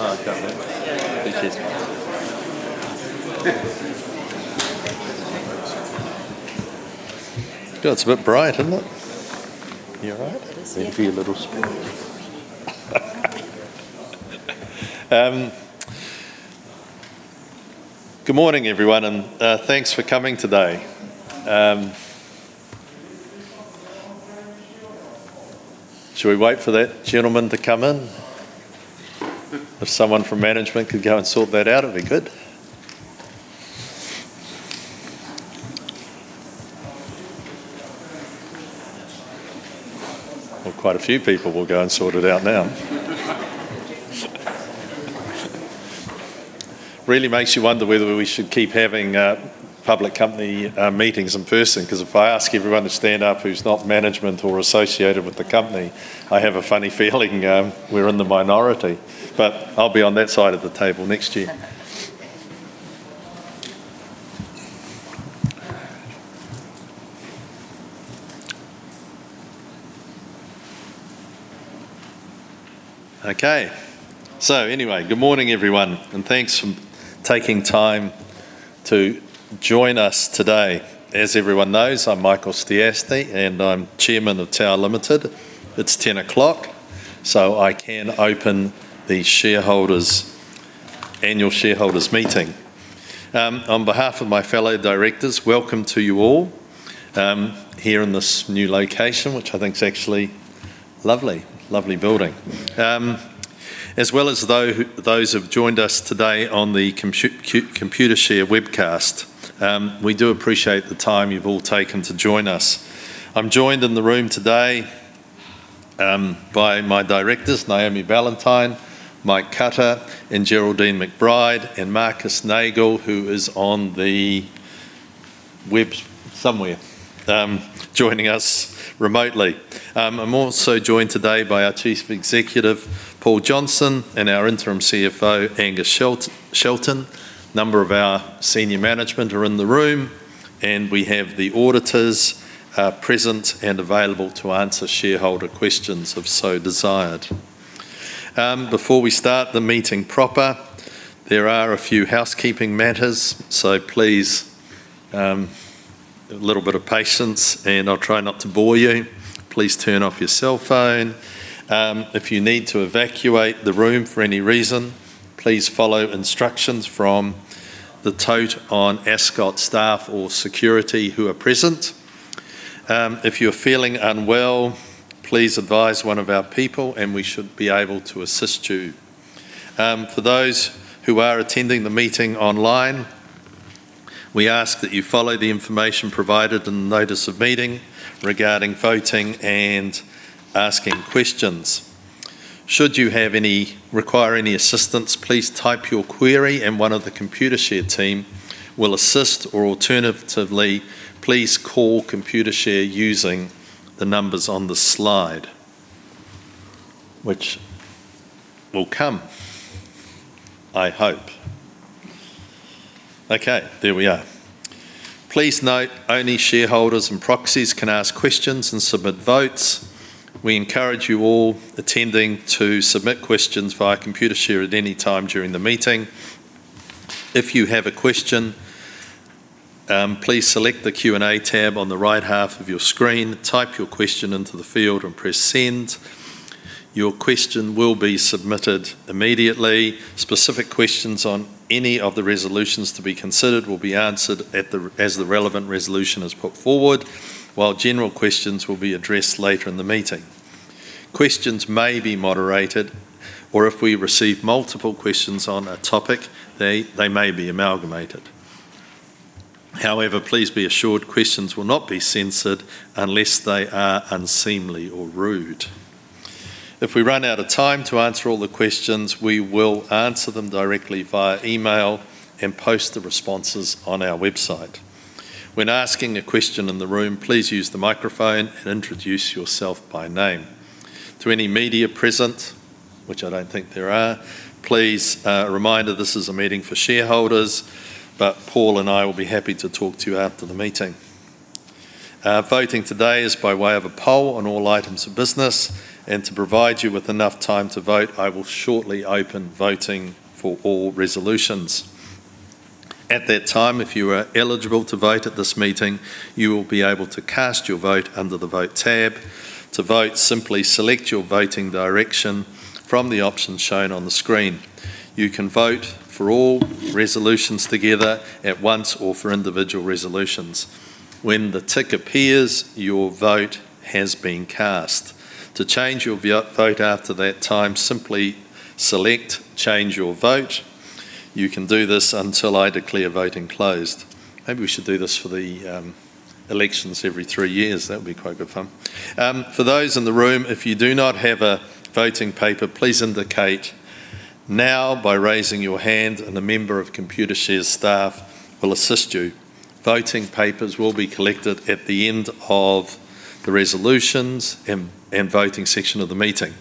Oh, okay. Thank you. God, it's a bit bright, isn't it? You all right? Maybe a little. Good morning, everyone, and thanks for coming today. Should we wait for that gentleman to come in? If someone from management could go and sort that out, it'd be good. Well, quite a few people will go and sort it out now. Really makes you wonder whether we should keep having public company meetings in person, 'cause if I ask everyone to stand up who's not management or associated with the company, I have a funny feeling we're in the minority, but I'll be on that side of the table next year. Okay. So anyway, good morning, everyone, and thanks for taking time to join us today. As everyone knows, I'm Michael Stiassny, and I'm Chairman of Tower Limited. It's 10:00 A.M., so I can open the annual shareholders meeting. On behalf of my fellow directors, welcome to you all, here in this new location, which I think is actually lovely, lovely building. As well as those who've joined us today on the Computershare webcast, we do appreciate the time you've all taken to join us. I'm joined in the room today, by my directors, Naomi Ballantyne, Mike Cutter, and Geraldine McBride, and Marcus Nagel, who is on the web somewhere, joining us remotely. I'm also joined today by our Chief Executive, Paul Johnston, and our interim Chief Financial Officer, Angus Shelton. A number of our senior management are in the room, and we have the auditors are present and available to answer shareholder questions if so desired. Before we start the meeting proper, there are a few housekeeping matters, so please, a little bit of patience, and I'll try not to bore you. Please turn off your cell phone. If you need to evacuate the room for any reason, please follow instructions from the on-site staff or security who are present. If you're feeling unwell, please advise one of our people, and we should be able to assist you. For those who are attending the meeting online, we ask that you follow the information provided in the notice of meeting regarding voting and asking questions. Should you require any assistance, please type your query, and one of the Computershare team will assist, or alternatively, please call Computershare using the numbers on the slide, which will come, I hope. Okay, there we are. Please note, only shareholders and proxies can ask questions and submit votes. We encourage you all attending to submit questions via Computershare at any time during the meeting. If you have a question, please select the Q&A tab on the right half of your screen, type your question into the field, and press Send. Your question will be submitted immediately. Specific questions on any of the resolutions to be considered will be answered at the, as the relevant resolution is put forward, while general questions will be addressed later in the meeting. Questions may be moderated, or if we receive multiple questions on a topic, they may be amalgamated. However, please be assured, questions will not be censored unless they are unseemly or rude. If we run out of time to answer all the questions, we will answer them directly via email and post the responses on our website. When asking a question in the room, please use the microphone and introduce yourself by name. To any media present, which I don't think there are, please, reminder, this is a meeting for shareholders, but Paul and I will be happy to talk to you after the meeting. Voting today is by way of a poll on all items of business, and to provide you with enough time to vote, I will shortly open voting for all resolutions. At that time, if you are eligible to vote at this meeting, you will be able to cast your vote under the Vote tab. To vote, simply select your voting direction from the options shown on the screen. You can vote for all resolutions together at once or for individual resolutions. When the tick appears, your vote has been cast. To change your vote after that time, simply select Change Your Vote. You can do this until I declare voting closed. Maybe we should do this for the elections every three years. That would be quite good fun. For those in the room, if you do not have a voting paper, please indicate now by raising your hand, and a member of Computershare's staff will assist you. Voting papers will be collected at the end of the resolutions and voting section of the meeting.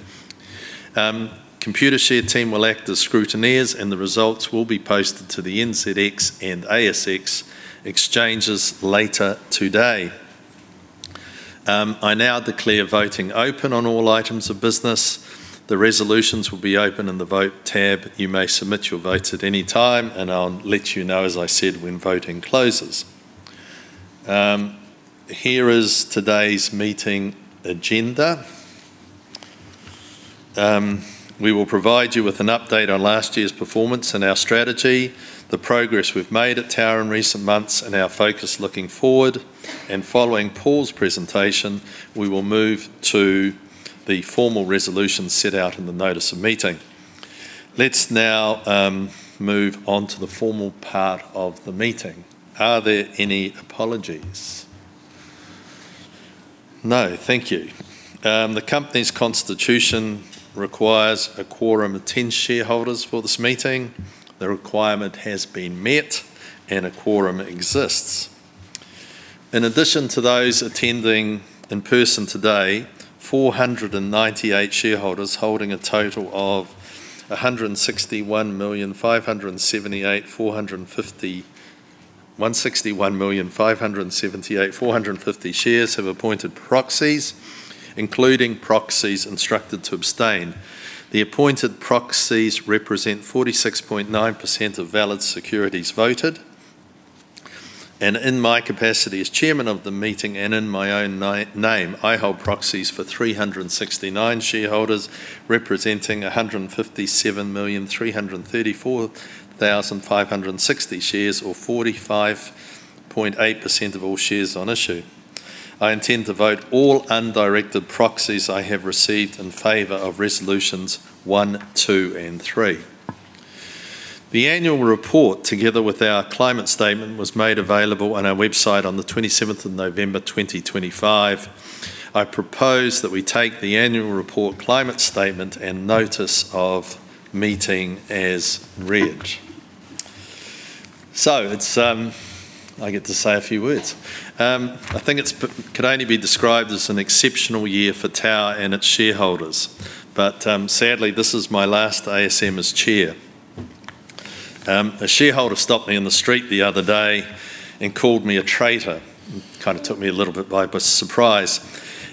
Computershare team will act as scrutineers, and the results will be posted to the NZX and ASX exchanges later today. I now declare voting open on all items of business. The resolutions will be open in the Vote tab. You may submit your votes at any time, and I'll let you know, as I said, when voting closes. Here is today's meeting agenda. We will provide you with an update on last year's performance and our strategy, the progress we've made at Tower in recent months, and our focus looking forward, and following Paul's presentation, we will move to the formal resolution set out in the notice of meeting. Let's now move on to the formal part of the meeting. Are there any apologies? No. Thank you. The company's constitution requires a quorum of ten shareholders for this meeting. The requirement has been met, and a quorum exists. In addition to those attending in person today, 498 shareholders holding a total of 161,578,451 shares have appointed proxies, including proxies instructed to abstain. The appointed proxies represent 46.9% of valid securities voted, and in my capacity as Chairman of the meeting and in my own name, I hold proxies for 369 shareholders, representing 157,334,560 shares, or 45.8% of all shares on issue. I intend to vote all undirected proxies I have received in favor of resolutions one, two, and three. The annual report, together with our climate statement, was made available on our website on the November 27 2025. I propose that we take the annual report, climate statement, and notice of meeting as read. So it's, I get to say a few words. I think it could only be described as an exceptional year for Tower and its shareholders, but, sadly, this is my last ASM as chair. A shareholder stopped me in the street the other day and called me a traitor. Kind of took me a little bit by surprise,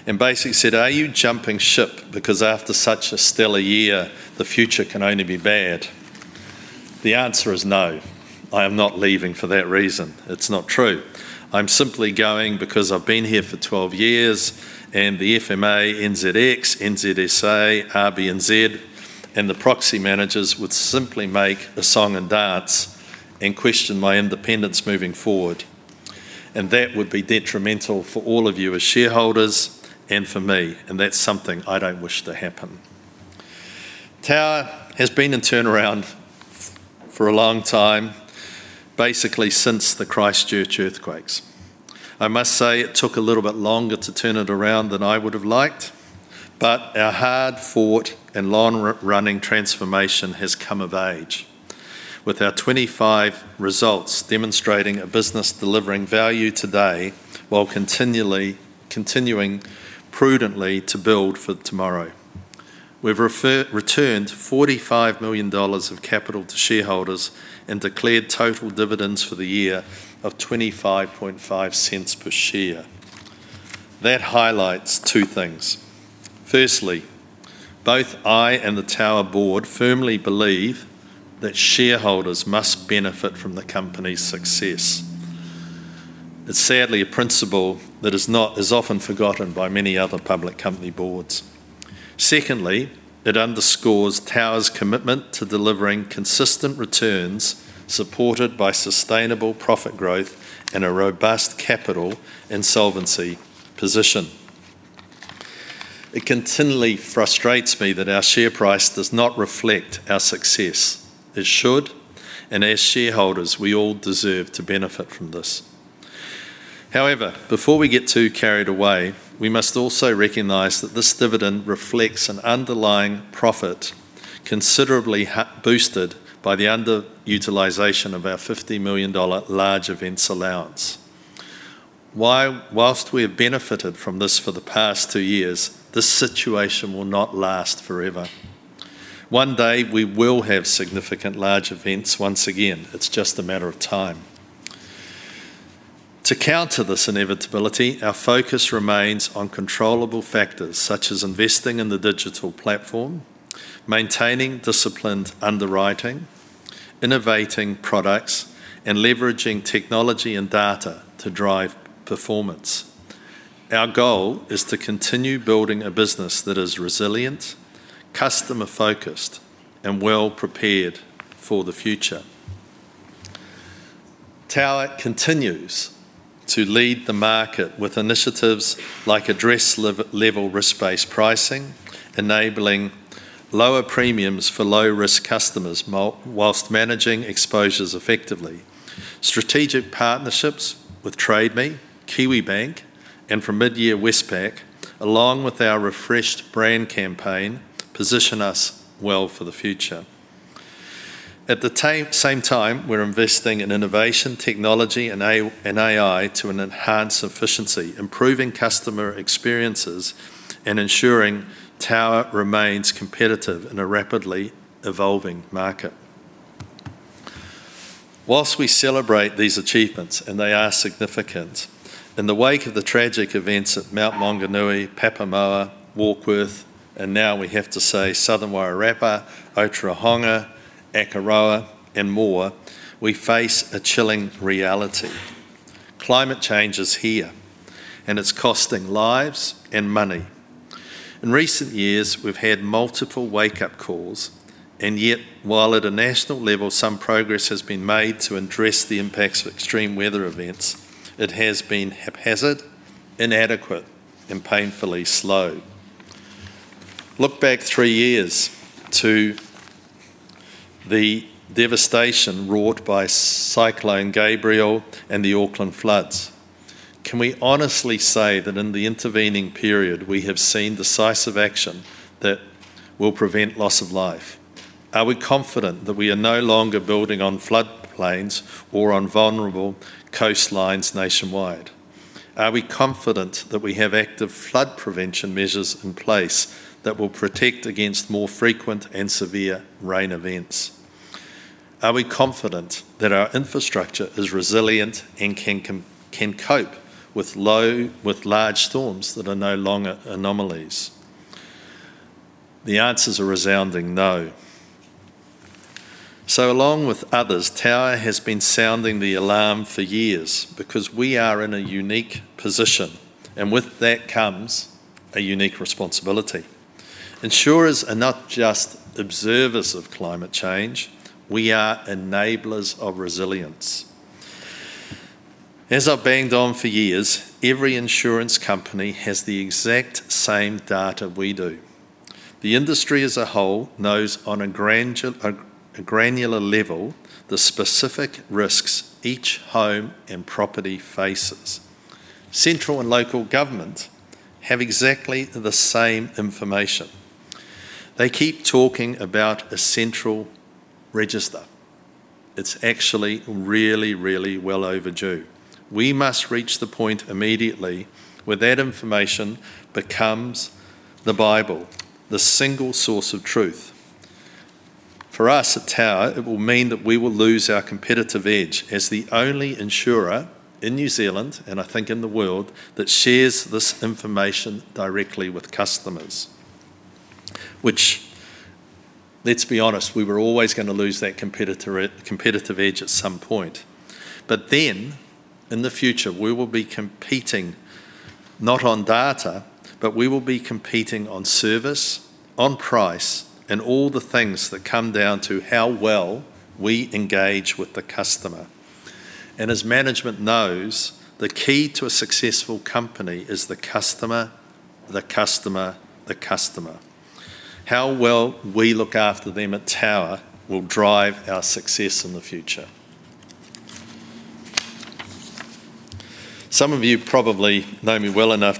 and basically said, "Are you jumping ship? Because after such a stellar year, the future can only be bad." The answer is no. I am not leaving for that reason. It's not true. I'm simply going because I've been here for 12 years, and the FMA, NZX, NZSA, RBNZ, and the proxy managers would simply make a song and dance and question my independence moving forward, and that would be detrimental for all of you as shareholders and for me, and that's something I don't wish to happen. Tower has been in turnaround for a long time, basically since the Christchurch earthquakes. I must say it took a little bit longer to turn it around than I would have liked, but our hard-fought and long-running transformation has come of age, with our 25 results demonstrating a business delivering value today, while continuing prudently to build for tomorrow. We've returned 45 million dollars of capital to shareholders and declared total dividends for the year of 0.255 per share. That highlights two things: firstly, both I and the Tower board firmly believe that shareholders must benefit from the company's success. It's sadly a principle that is often forgotten by many other public company boards. Secondly, it underscores Tower's commitment to delivering consistent returns, supported by sustainable profit growth and a robust capital and solvency position. It continually frustrates me that our share price does not reflect our success. It should, and as shareholders, we all deserve to benefit from this. However, before we get too carried away, we must also recognize that this dividend reflects an underlying profit, considerably boosted by the underutilization of our NZD 50 million Large Events Allowance. While we have benefited from this for the past two years, this situation will not last forever. One day, we will have significant large events once again. It's just a matter of time. To counter this inevitability, our focus remains on controllable factors, such as investing in the digital platform, maintaining disciplined underwriting, innovating products, and leveraging technology and data to drive performance. Our goal is to continue building a business that is resilient, customer-focused, and well-prepared for the future. Tower continues to lead the market with initiatives like address level risk-based pricing, enabling lower premiums for low-risk customers, whilst managing exposures effectively. Strategic partnerships with Trade Me, Kiwibank, and from mid-year, Westpac, along with our refreshed brand campaign, position us well for the future. At the same time, we're investing in innovation, technology, and AI to enhance efficiency, improving customer experiences, and ensuring Tower remains competitive in a rapidly evolving market. While we celebrate these achievements, and they are significant, in the wake of the tragic events at Mount Maunganui, Papamoa, Warkworth, and now we have to say Southern Wairarapa, Otorohanga, Akaroa, and more, we face a chilling reality. Climate change is here, and it's costing lives and money. In recent years, we've had multiple wake-up calls, and yet, while at a national level some progress has been made to address the impacts of extreme weather events, it has been haphazard, inadequate, and painfully slow. Look back three years to the devastation wrought by Cyclone Gabrielle and the Auckland floods. Can we honestly say that in the intervening period, we have seen decisive action that will prevent loss of life? Are we confident that we are no longer building on flood plains or on vulnerable coastlines nationwide? Are we confident that we have active flood prevention measures in place that will protect against more frequent and severe rain events? Are we confident that our infrastructure is resilient and can cope with large storms that are no longer anomalies? The answers are resounding no. So along with others, Tower has been sounding the alarm for years, because we are in a unique position, and with that comes a unique responsibility. Insurers are not just observers of climate change, we are enablers of resilience. As I've banged on for years, every insurance company has the exact same data we do. The industry as a whole knows on a granular level, the specific risks each home and property faces. Central and local government have exactly the same information. They keep talking about a central register. It's actually really, really well overdue. We must reach the point immediately where that information becomes the Bible, the single source of truth. For us at Tower, it will mean that we will lose our competitive edge as the only insurer in New Zealand, and I think in the world, that shares this information directly with customers. Which, let's be honest, we were always going to lose that competitive edge at some point. But then, in the future, we will be competing not on data, but we will be competing on service, on price, and all the things that come down to how well we engage with the customer. And as management knows, the key to a successful company is the customer, the customer, the customer. How well we look after them at Tower will drive our success in the future. Some of you probably know me well enough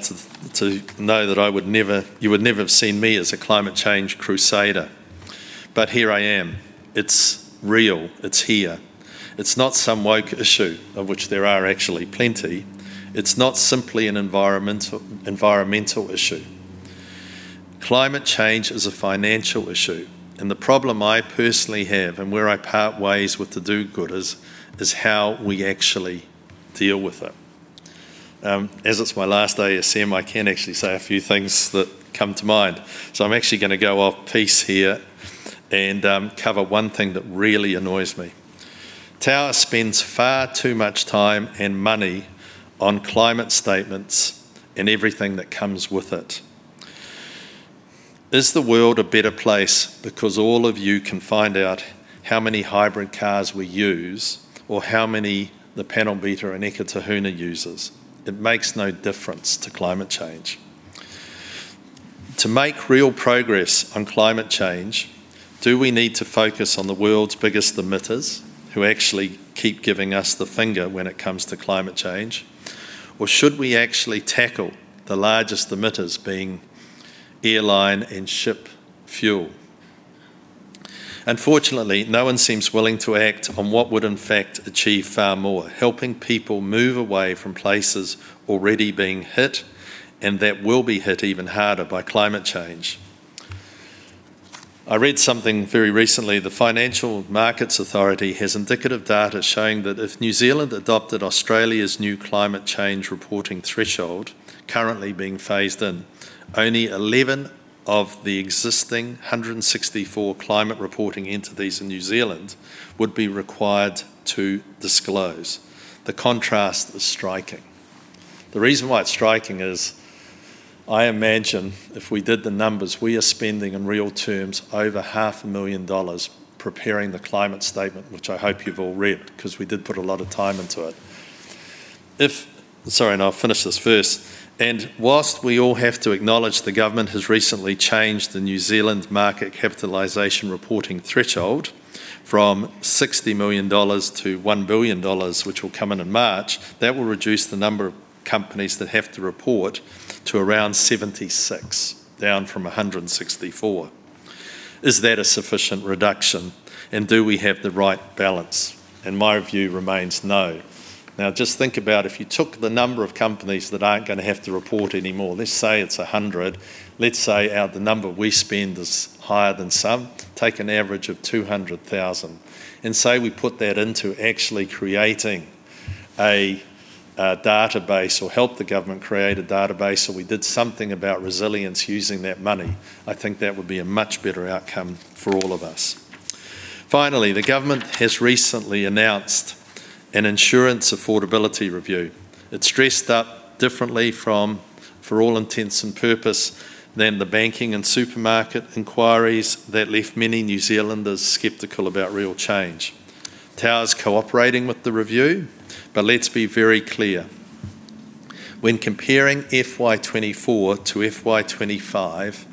to know that you would never have seen me as a climate change crusader, but here I am. It's real. It's here. It's not some woke issue, of which there are actually plenty. It's not simply an environmental issue. Climate change is a financial issue, and the problem I personally have, and where I part ways with the do-gooders, is how we actually deal with it. As it's my last day as CM, I can actually say a few things that come to mind. So I'm actually going to go off piece here and cover one thing that really annoys me. Tower spends far too much time and money on climate statements and everything that comes with it. Is the world a better place because all of you can find out how many hybrid cars we use, or how many the panel beater in Eketahuna uses? It makes no difference to climate change. To make real progress on climate change, do we need to focus on the world's biggest emitters, who actually keep giving us the finger when it comes to climate change, or should we actually tackle the largest emitters, being airline and ship fuel? Unfortunately, no one seems willing to act on what would in fact achieve far more: helping people move away from places already being hit, and that will be hit even harder by climate change. I read something very recently. The Financial Markets Authority has indicative data showing that if New Zealand adopted Australia's new climate change reporting threshold, currently being phased in, only 11 of the existing 164 climate reporting entities in New Zealand would be required to disclose. The contrast is striking. The reason why it's striking is, I imagine if we did the numbers, we are spending in real terms over 500,000 dollars preparing the climate statement, which I hope you've all read, 'cause we did put a lot of time into it. If... Sorry, and I'll finish this first. And whilst we all have to acknowledge the government has recently changed the New Zealand market capitalization reporting threshold from 60 million dollars to 1 billion dollars, which will come in in March, that will reduce the number of companies that have to report to around 76, down from a 164. Is that a sufficient reduction, and do we have the right balance? My view remains no. Now, just think about if you took the number of companies that aren't gonna have to report anymore, let's say it's 100. Let's say, the number we spend is higher than some. Take an average of 200,000, and say we put that into actually creating a, database or help the government create a database, or we did something about resilience using that money, I think that would be a much better outcome for all of us. Finally, the government has recently announced an insurance affordability review. It's dressed up differently, for all intents and purposes, than the banking and supermarket inquiries that left many New Zealanders skeptical about real change. Tower's cooperating with the review, but let's be very clear. When comparing FY 2024 to FY 2025,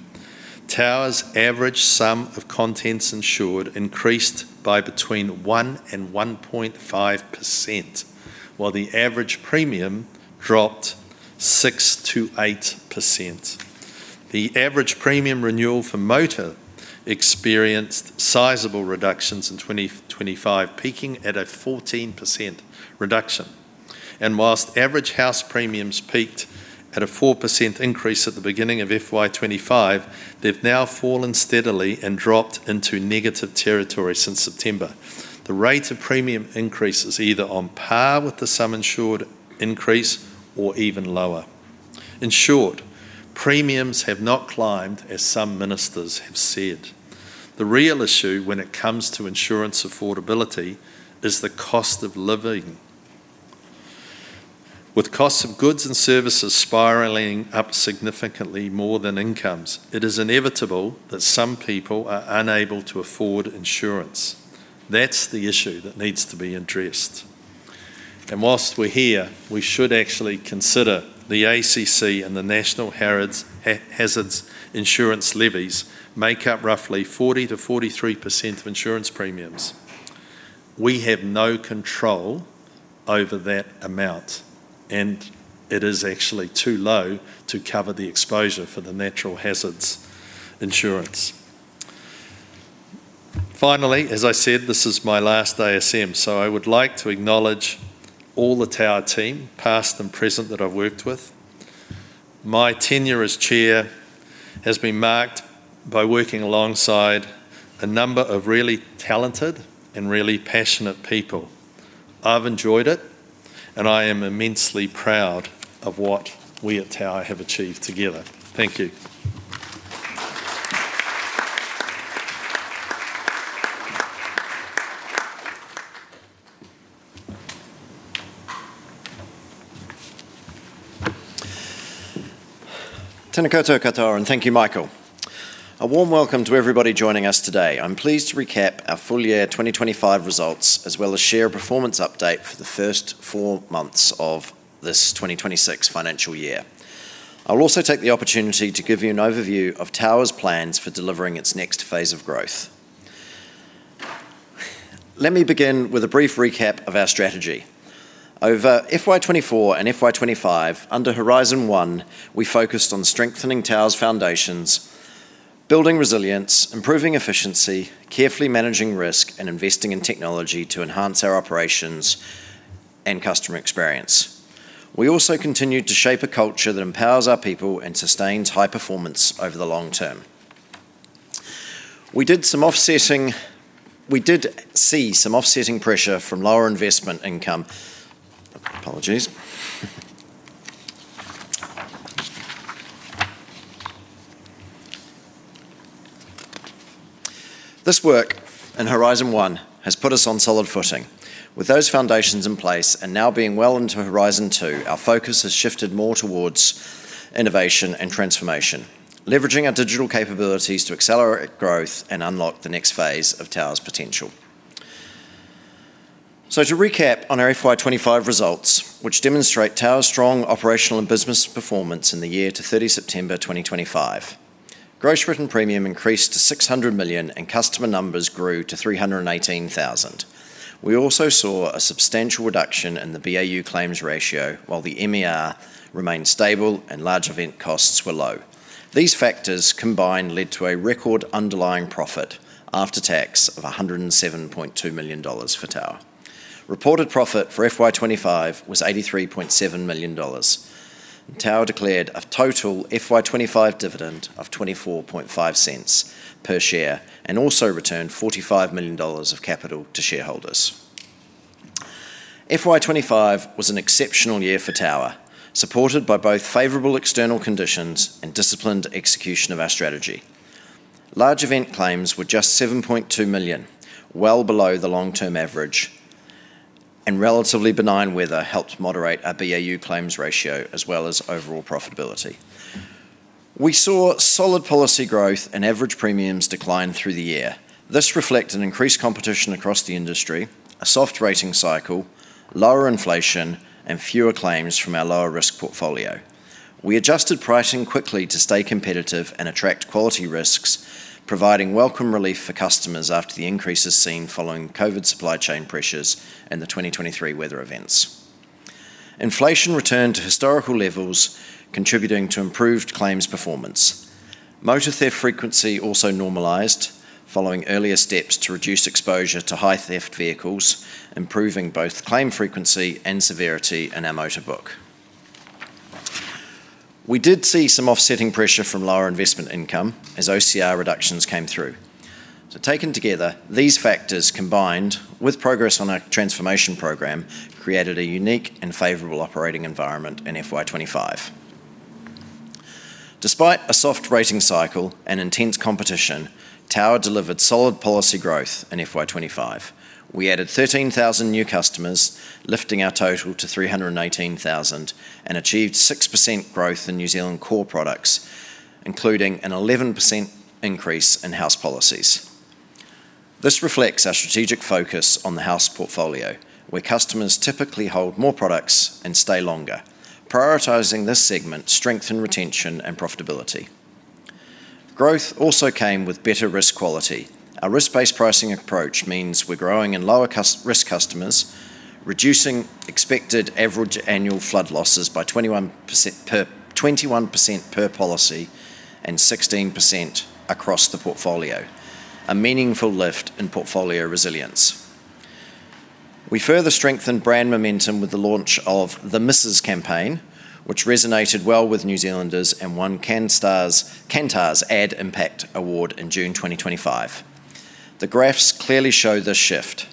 Tower's average sum of contents insured increased by between 1% and 1.5%, while the average premium dropped 6%-8%. The average premium renewal for motor experienced sizable reductions in 2025, peaking at a 14% reduction. While average house premiums peaked at a 4% increase at the beginning of FY 2025, they've now fallen steadily and dropped into negative territory since September. The rate of premium increase is either on par with the sum insured increase or even lower. In short, premiums have not climbed, as some ministers have said. The real issue when it comes to insurance affordability is the cost of living. With costs of goods and services spiraling up significantly more than incomes, it is inevitable that some people are unable to afford insurance. That's the issue that needs to be addressed. While we're here, we should actually consider the ACC and the Natural Hazards Insurance levies make up roughly 40%-43% of insurance premiums. We have no control over that amount, and it is actually too low to cover the exposure for the natural hazards insurance. Finally, as I said, this is my last ASM, so I would like to acknowledge all the Tower team, past and present, that I've worked with. My tenure as chair has been marked by working alongside a number of really talented and really passionate people. I've enjoyed it, and I am immensely proud of what we at Tower have achieved together. Thank you. Tena koutou katoa, and thank you, Michael. A warm welcome to everybody joining us today. I'm pleased to recap our full year 2025 results, as well as share a performance update for the first four months of this 2026 financial year. I will also take the opportunity to give you an overview of Tower's plans for delivering its next phase of growth. Let me begin with a brief recap of our strategy. Over FY 2024 and FY 2025, under Horizon One, we focused on strengthening Tower's foundations, building resilience, improving efficiency, carefully managing risk, and investing in technology to enhance our operations and customer experience. We also continued to shape a culture that empowers our people and sustains high performance over the long term. We did some offsetting. We did see some offsetting pressure from lower investment income. Apologies. This work in Horizon One has put us on solid footing. With those foundations in place and now being well into Horizon Two, our focus has shifted more towards innovation and transformation, leveraging our digital capabilities to accelerate growth and unlock the next phase of Tower's potential. To recap on our FY 2025 results, which demonstrate Tower's strong operational and business performance in the year to September 30, 2025. Gross written premium increased to 600 million, and customer numbers grew to 318,000. We also saw a substantial reduction in the BAU claims ratio, while the MER remained stable and large event costs were low. These factors combined led to a record underlying profit after tax of 107.2 million dollars for Tower. Reported profit for FY 2025 was 83.7 million dollars. Tower declared a total FY 2025 dividend of 0.245 per share and also returned 45 million dollars of capital to shareholders. FY 2025 was an exceptional year for Tower, supported by both favorable external conditions and disciplined execution of our strategy. Large event claims were just 7.2 million, well below the long-term average, and relatively benign weather helped moderate our BAU claims ratio, as well as overall profitability. We saw solid policy growth and average premiums decline through the year. This reflected increased competition across the industry, a soft rating cycle, lower inflation, and fewer claims from our lower-risk portfolio. We adjusted pricing quickly to stay competitive and attract quality risks, providing welcome relief for customers after the increases seen following COVID supply chain pressures and the 2023 weather events. Inflation returned to historical levels, contributing to improved claims performance. Motor theft frequency also normalized, following earlier steps to reduce exposure to high-theft vehicles, improving both claim frequency and severity in our motor book. We did see some offsetting pressure from lower investment income as OCR reductions came through. So taken together, these factors, combined with progress on our transformation program, created a unique and favorable operating environment in FY 2025. Despite a soft rating cycle and intense competition, Tower delivered solid policy growth in FY 2025. We added 13,000 new customers, lifting our total to 318,000, and achieved 6% growth in New Zealand core products, including an 11% increase in house policies. This reflects our strategic focus on the house portfolio, where customers typically hold more products and stay longer. Prioritizing this segment strengthened retention and profitability. Growth also came with better risk quality. Our risk-based pricing approach means we're growing in lower customer-risk customers, reducing expected average annual flood losses by 21% per policy and 16% across the portfolio, a meaningful lift in portfolio resilience. We further strengthened brand momentum with the launch of the, which resonated well with New Zealanders and won Kantar's Ad Impact Award in June 2025. The graphs clearly show this shift.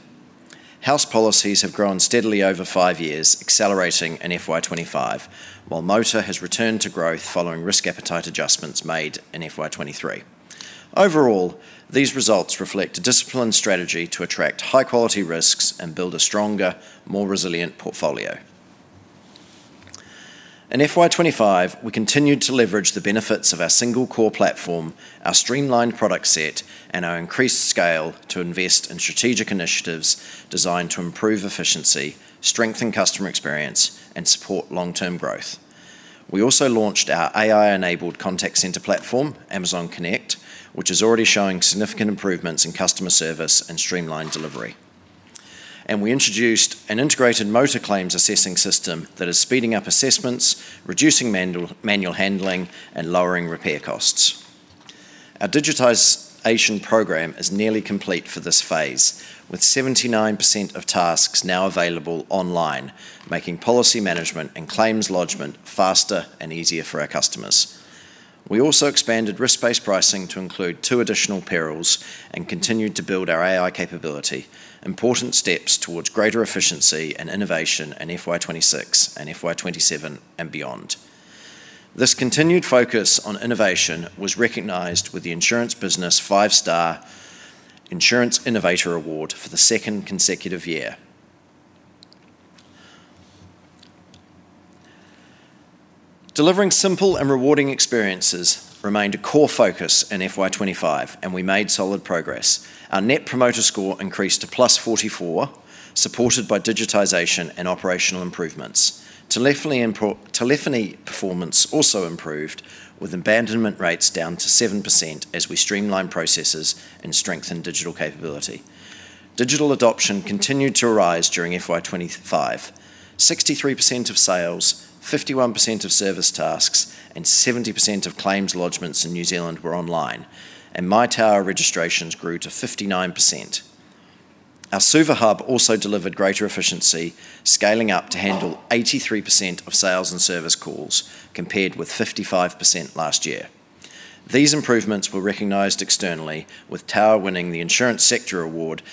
House policies have grown steadily over five years, accelerating in FY 2025, while motor has returned to growth following risk appetite adjustments made in FY 2023. Overall, these results reflect a disciplined strategy to attract high-quality risks and build a stronger, more resilient portfolio. In FY 2025, we continued to leverage the benefits of our single core platform, our streamlined product set, and our increased scale to invest in strategic initiatives designed to improve efficiency, strengthen customer experience, and support long-term growth. We also launched our AI-enabled contact center platform, Amazon Connect, which is already showing significant improvements in customer service and streamlined delivery. We introduced an integrated motor claims assessing system that is speeding up assessments, reducing manual handling, and lowering repair costs. Our digitization program is nearly complete for this phase, with 79% of tasks now available online, making policy management and claims lodgement faster and easier for our customers. We also expanded risk-based pricing to include two additional perils and continued to build our AI capability, important steps towards greater efficiency and innovation in FY 2026 and FY 2027 and beyond. This continued focus on innovation was recognized with the Insurance Business Five Star Insurance Innovator Award for the second consecutive year. Delivering simple and rewarding experiences remained a core focus in FY 2025, and we made solid progress. Our net promoter score increased to +44, supported by digitization and operational improvements. Telephony performance also improved, with abandonment rates down to 7% as we streamline processes and strengthen digital capability. Digital adoption continued to rise during FY 2025. 63% of sales, 51% of service tasks, and 70% of claims lodgements in New Zealand were online, and My Tower registrations grew to 59%. Our Suva Hub also delivered greater efficiency, scaling up to handle 83% of sales and service calls, compared with 55% last year. These improvements were recognized externally, with Tower winning the Insurance Sector Award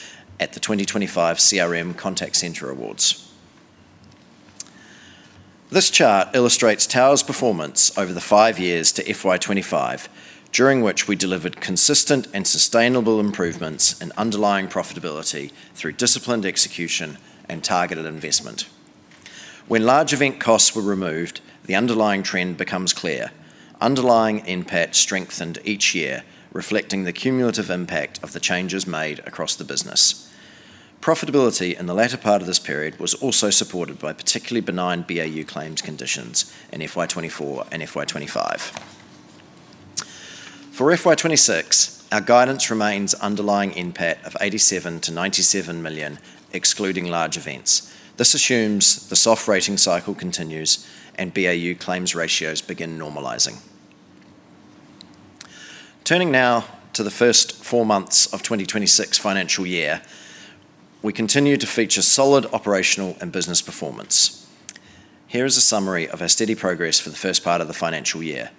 at the 2025 CRM Contact Centre Awards. This chart illustrates Tower's performance over the five years to FY 2025, during which we delivered consistent and sustainable improvements in underlying profitability through disciplined execution and targeted investment. When large event costs were removed, the underlying trend becomes clear. Underlying NPAT strengthened each year, reflecting the cumulative impact of the changes made across the business. Profitability in the latter part of this period was also supported by particularly benign BAU claims conditions in FY 2024 and FY 2025. For FY 2026, our guidance remains underlying NPAT of 87 million-97 million, excluding large events. This assumes the soft rating cycle continues and BAU claims ratios begin normalizing. Turning now to the first four months of 2026 financial year, we continue to feature solid operational and business performance. Here is a summary of our steady progress for the first part of the financial year.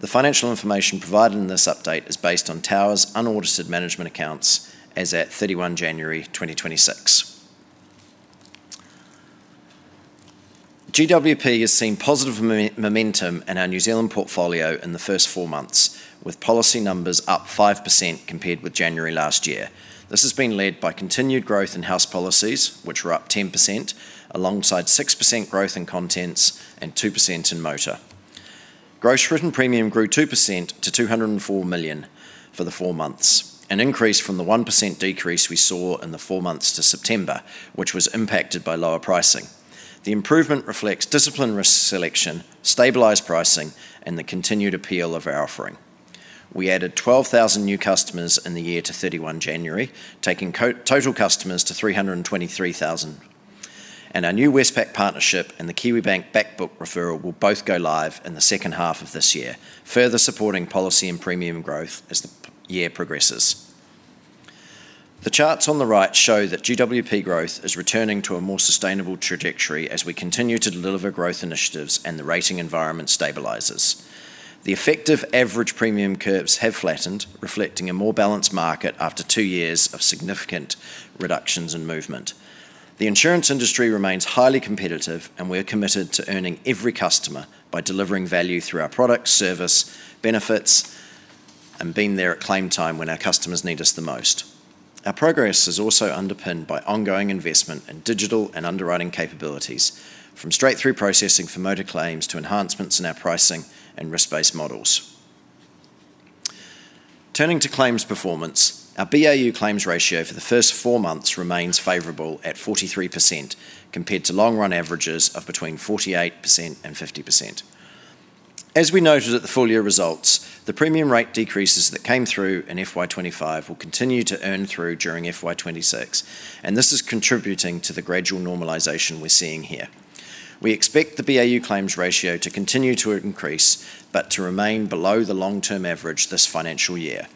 The financial information provided in this update is based on Tower's unaudited management accounts as at 31 January 2026. GWP has seen positive momentum in our New Zealand portfolio in the first four months, with policy numbers up 5% compared with January last year. This has been led by continued growth in house policies, which were up 10%, alongside 6% growth in contents and 2% in motor. Gross written premium grew 2% to 204 million for the four months, an increase from the 1% decrease we saw in the four months to September, which was impacted by lower pricing. The improvement reflects disciplined risk selection, stabilized pricing, and the continued appeal of our offering. We added 12,000 new customers in the year to January 31, taking total customers to 323,000. Our new Westpac partnership and the Kiwibank back book referral will both go live in the second half of this year, further supporting policy and premium growth as the year progresses. The charts on the right show that GWP growth is returning to a more sustainable trajectory as we continue to deliver growth initiatives and the rating environment stabilizes. The effective average premium curves have flattened, reflecting a more balanced market after two years of significant reductions in movement. The insurance industry remains highly competitive, and we are committed to earning every customer by delivering value through our product, service, benefits, and being there at claim time when our customers need us the most. Our progress is also underpinned by ongoing investment in digital and underwriting capabilities, from straight-through processing for motor claims to enhancements in our pricing and risk-based models. Turning to claims performance, our BAU claims ratio for the first four months remains favorable at 43%, compared to long-run averages of between 48% and 50%. As we noted at the full-year results, the premium rate decreases that came through in FY 2025 will continue to earn through during FY 2026, and this is contributing to the gradual normalization we're seeing here. We expect the BAU claims ratio to continue to increase, but to remain below the long-term average this financial year.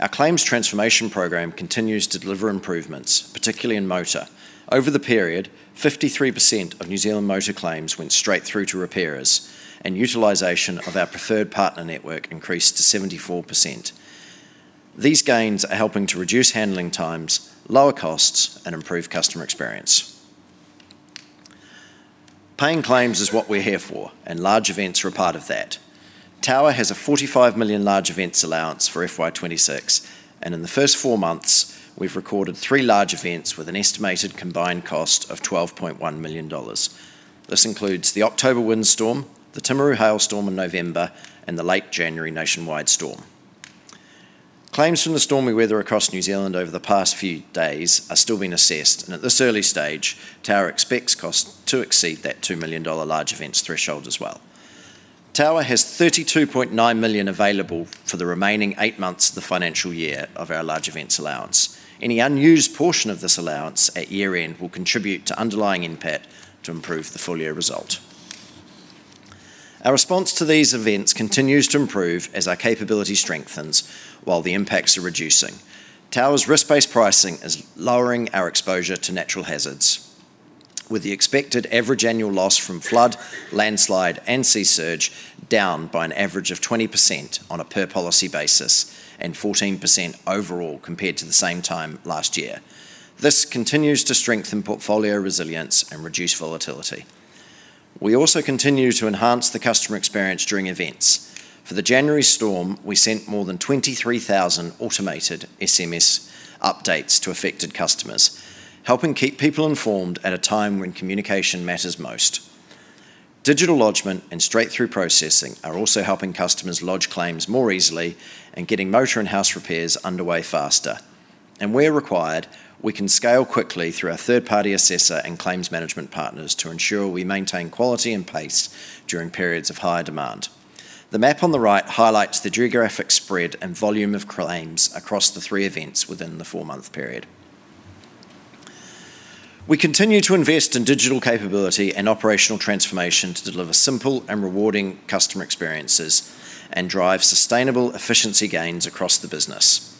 Our claims transformation program continues to deliver improvements, particularly in motor. Over the period, 53% of New Zealand motor claims went straight through to repairers, and utilization of our preferred partner network increased to 74%. These gains are helping to reduce handling times, lower costs, and improve customer experience. Paying claims is what we're here for, and large events are a part of that. Tower has a 45 million large events allowance for FY 2026, and in the first four months, we've recorded three large events with an estimated combined cost of 12.1 million dollars. This includes the October windstorm, the Timaru hailstorm in November, and the late January nationwide storm. Claims from the stormy weather across New Zealand over the past few days are still being assessed, and at this early stage, Tower expects costs to exceed that 2 million dollar large events threshold as well. Tower has 32.9 million available for the remaining eight months of the financial year of our large events allowance. Any unused portion of this allowance at year-end will contribute to underlying NPAT to improve the full-year result. Our response to these events continues to improve as our capability strengthens, while the impacts are reducing. Tower's risk-based pricing is lowering our exposure to natural hazards, with the expected average annual loss from flood, landslide, and sea surge down by an average of 20% on a per-policy basis and 14% overall, compared to the same time last year. This continues to strengthen portfolio resilience and reduce volatility. We also continue to enhance the customer experience during events. For the January storm, we sent more than 23,000 automated SMS updates to affected customers, helping keep people informed at a time when communication matters most. Digital lodgment and straight-through processing are also helping customers lodge claims more easily and getting motor and house repairs underway faster. Where required, we can scale quickly through our third-party assessor and claims management partners to ensure we maintain quality and pace during periods of high demand. The map on the right highlights the geographic spread and volume of claims across the three events within the four-month period. We continue to invest in digital capability and operational transformation to deliver simple and rewarding customer experiences and drive sustainable efficiency gains across the business.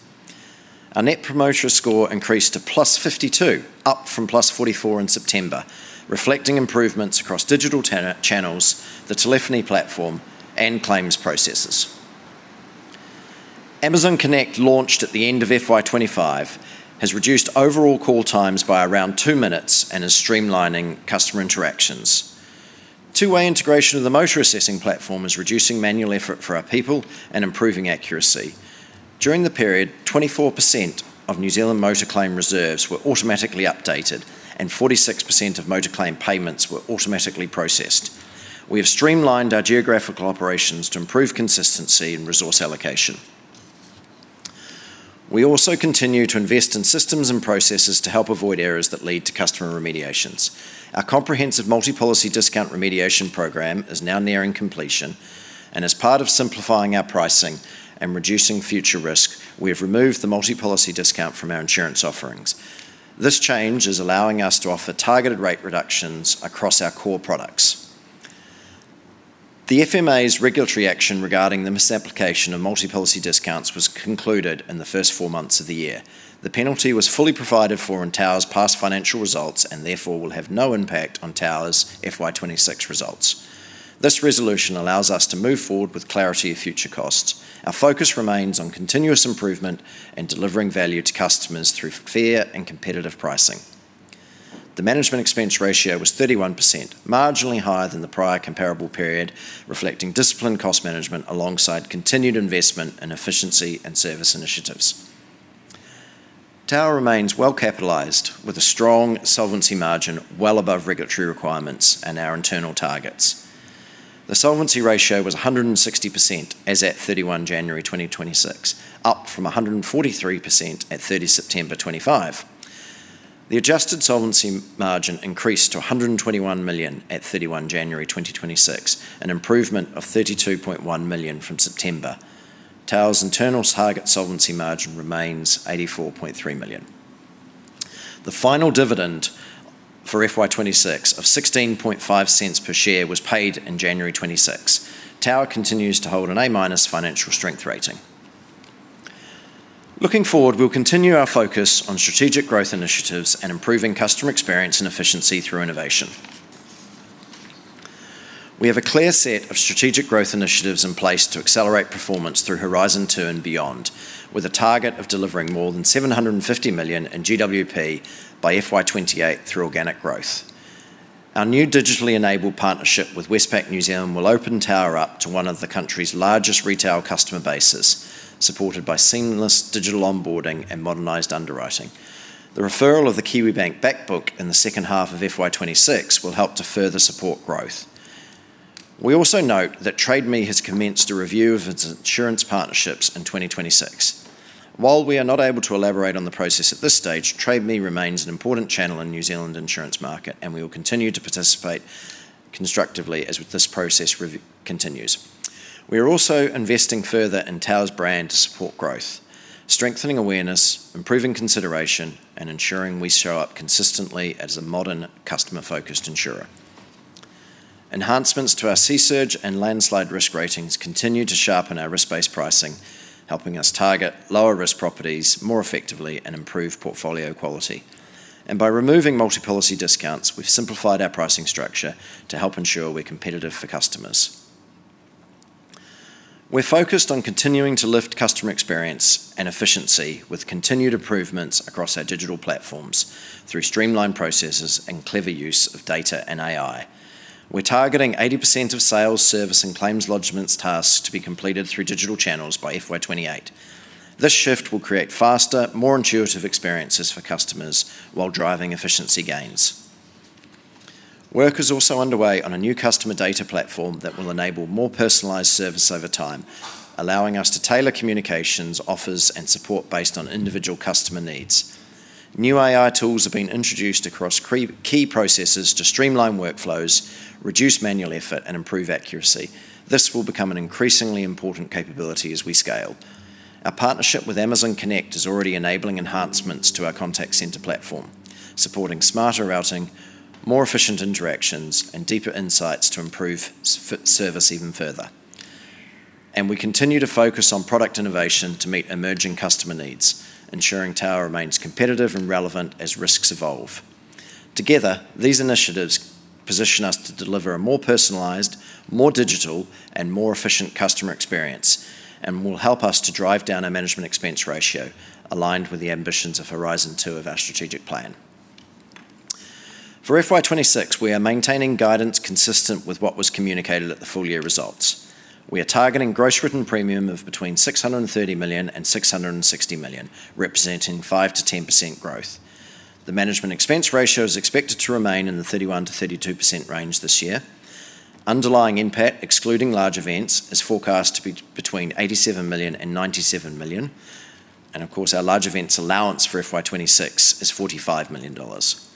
Our Net Promoter Score increased to +52, up from +44 in September, reflecting improvements across digital channels, the telephony platform, and claims processes. Amazon Connect, launched at the end of FY 2025, has reduced overall call times by around two minutes and is streamlining customer interactions. Two-way integration of the motor assessing platform is reducing manual effort for our people and improving accuracy. During the period, 24% of New Zealand motor claim reserves were automatically updated, and 46% of motor claim payments were automatically processed. We have streamlined our geographical operations to improve consistency and resource allocation. We also continue to invest in systems and processes to help avoid errors that lead to customer remediations. Our comprehensive multi-policy discount remediation program is now nearing completion, and as part of simplifying our pricing and reducing future risk, we have removed the multi-policy discount from our insurance offerings. This change is allowing us to offer targeted rate reductions across our core products. The FMA's regulatory action regarding the misapplication of multi-policy discounts was concluded in the first four months of the year. The penalty was fully provided for in Tower's past financial results and therefore will have no impact on Tower's FY 2026 results. This resolution allows us to move forward with clarity of future costs. Our focus remains on continuous improvement and delivering value to customers through fair and competitive pricing. The management expense ratio was 31%, marginally higher than the prior comparable period, reflecting disciplined cost management alongside continued investment in efficiency and service initiatives. Tower remains well-capitalized, with a strong solvency margin well above regulatory requirements and our internal targets. The solvency ratio was 160% as at January 31 2026, up from 143% at 30 September 2025. The adjusted solvency margin increased to 121 million at January 31 2026, an improvement of 32.1 million from September. Tower's internal target solvency margin remains 84.3 million. The final dividend for FY 2026 of 16.5 cents per share was paid in January 2026. Tower continues to hold an A-minus financial strength rating. Looking forward, we'll continue our focus on strategic growth initiatives and improving customer experience and efficiency through innovation. We have a clear set of strategic growth initiatives in place to accelerate performance through Horizon Two and beyond, with a target of delivering more than 750 million in GWP by FY 2028 through organic growth. Our new digitally enabled partnership with Westpac New Zealand will open Tower up to one of the country's largest retail customer bases, supported by seamless digital onboarding and modernized underwriting. The referral of the Kiwibank back book in the second half of FY 2026 will help to further support growth. We also note that Trade Me has commenced a review of its insurance partnerships in 2026. While we are not able to elaborate on the process at this stage, Trade Me remains an important channel in New Zealand insurance market, and we will continue to participate constructively as this process continues. We are also investing further in Tower's brand to support growth, strengthening awareness, improving consideration, and ensuring we show up consistently as a modern, customer-focused insurer. Enhancements to our sea surge and landslide risk ratings continue to sharpen our risk-based pricing, helping us target lower-risk properties more effectively and improve portfolio quality. By removing multi-policy discounts, we've simplified our pricing structure to help ensure we're competitive for customers. We're focused on continuing to lift customer experience and efficiency with continued improvements across our digital platforms through streamlined processes and clever use of data and AI. We're targeting 80% of sales, service, and claims lodgements tasks to be completed through digital channels by FY 2028. This shift will create faster, more intuitive experiences for customers while driving efficiency gains. Work is also underway on a new customer data platform that will enable more personalized service over time, allowing us to tailor communications, offers, and support based on individual customer needs. New AI tools have been introduced across key processes to streamline workflows, reduce manual effort, and improve accuracy. This will become an increasingly important capability as we scale. Our partnership with Amazon Connect is already enabling enhancements to our contact center platform, supporting smarter routing, more efficient interactions, and deeper insights to improve service even further. We continue to focus on product innovation to meet emerging customer needs, ensuring Tower remains competitive and relevant as risks evolve. Together, these initiatives position us to deliver a more personalized, more digital, and more efficient customer experience, and will help us to drive down our management expense ratio, aligned with the ambitions of Horizon Two of our strategic plan. For FY 2026, we are maintaining guidance consistent with what was communicated at the full-year results. We are targeting gross written premium of between 630 million and 660 million, representing 5% to 10% growth. The management expense ratio is expected to remain in the 31% to 32% range this year. Underlying NPAT, excluding large events, is forecast to be between 87 million and 97 million, and of course, our large events allowance for FY 2026 is 45 million dollars.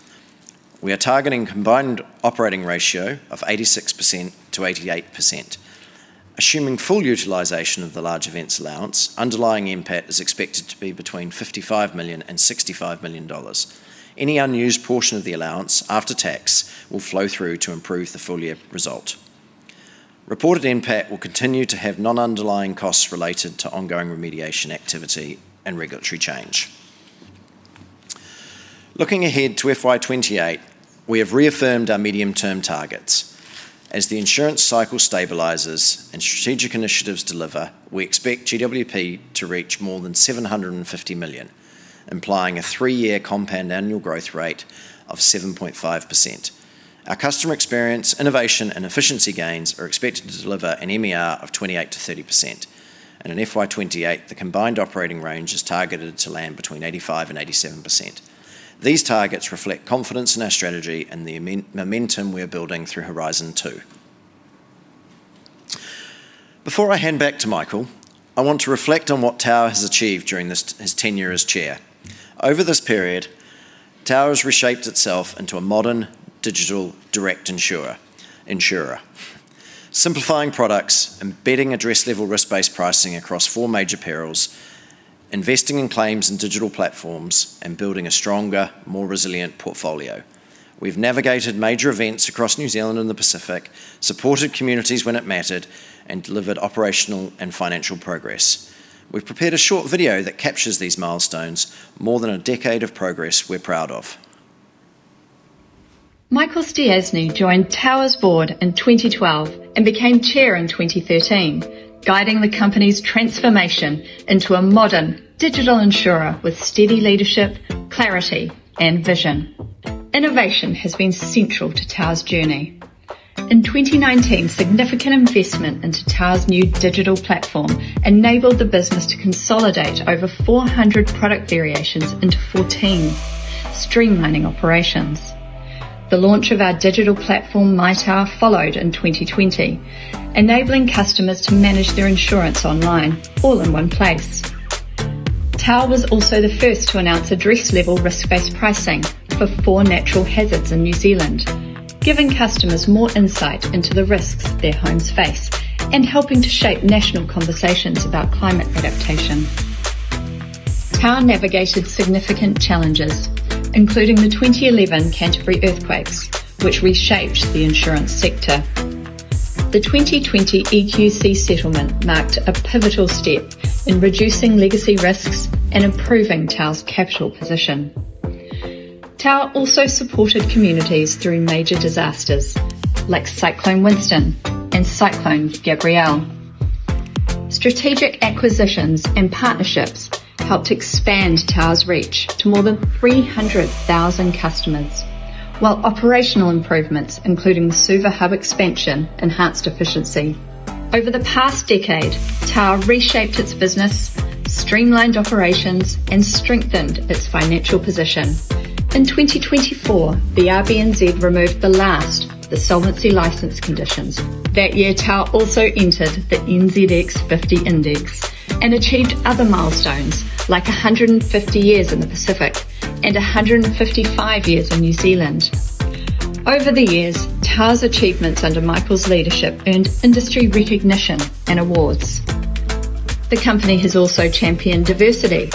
We are targeting combined operating ratio of 86% to 88%. Assuming full utilization of the large events allowance, underlying NPAT is expected to be between 55 million and 65 million dollars. Any unused portion of the allowance after tax will flow through to improve the full-year result. Reported NPAT will continue to have non-underlying costs related to ongoing remediation activity and regulatory change. Looking ahead to FY 2028, we have reaffirmed our medium-term targets. As the insurance cycle stabilizes and strategic initiatives deliver, we expect GWP to reach more than 750 million, implying a three year compound annual growth rate of 7.5%. Our customer experience, innovation, and efficiency gains are expected to deliver an MER of 28% to 30%, and in FY 2028, the combined operating range is targeted to land between 85% to 87%. These targets reflect confidence in our strategy and the amazing momentum we are building through Horizon Two. Before I hand back to Michael, I want to reflect on what Tower has achieved during this, his tenure as chair. Over this period, Tower has reshaped itself into a modern, digital, direct insurer, insurer, simplifying products, embedding address-level risk-based pricing across four major perils, investing in claims and digital platforms, and building a stronger, more resilient portfolio. We've navigated major events across New Zealand and the Pacific, supported communities when it mattered, and delivered operational and financial progress. We've prepared a short video that captures these milestones, more than a decade of progress we're proud of. Michael Stiassny joined Tower's board in 2012 and became chair in 2013, guiding the company's transformation into a modern digital insurer with steady leadership, clarity, and vision. Innovation has been central to Tower's journey. In 2019, significant investment into Tower's new digital platform enabled the business to consolidate over 400 product variations into 14, streamlining operations. The launch of our digital platform, My Tower, followed in 2020, enabling customers to manage their insurance online, all in one place. Tower was also the first to announce address-level risk-based pricing for four natural hazards in New Zealand, giving customers more insight into the risks their homes face and helping to shape national conversations about climate adaptation. Tower navigated significant challenges, including the 2011 Canterbury earthquakes, which reshaped the insurance sector. The 2020 EQC settlement marked a pivotal step in reducing legacy risks and improving Tower's capital position. Tower also supported communities through major disasters, like Cyclone Winston and Cyclone Gabrielle. Strategic acquisitions and partnerships helped expand Tower's reach to more than 300,000 customers, while operational improvements, including Suva Hub expansion, enhanced efficiency. Over the past decade, Tower reshaped its business, streamlined operations, and strengthened its financial position. In 2024, the RBNZ removed the last insolvency license conditions. That year, Tower also entered the NZX fifty Index and achieved other milestones, like 150 years in the Pacific and 155 years in New Zealand. Over the years, Tower's achievements under Michael's leadership earned industry recognition and awards. The company has also championed diversity,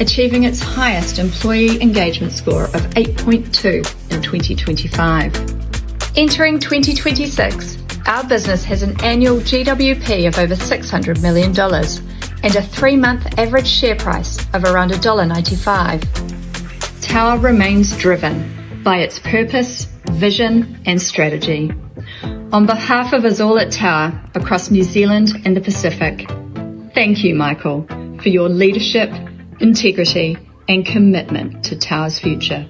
achieving its highest employee engagement score of 8.2 in 2025. Entering 2026, our business has an annual GWP of over 600 million dollars and a three-month average share price of around dollar 1.95. Tower remains driven by its purpose, vision, and strategy. On behalf of us all at Tower across New Zealand and the Pacific, thank you, Michael, for your leadership, integrity, and commitment to Tower's future.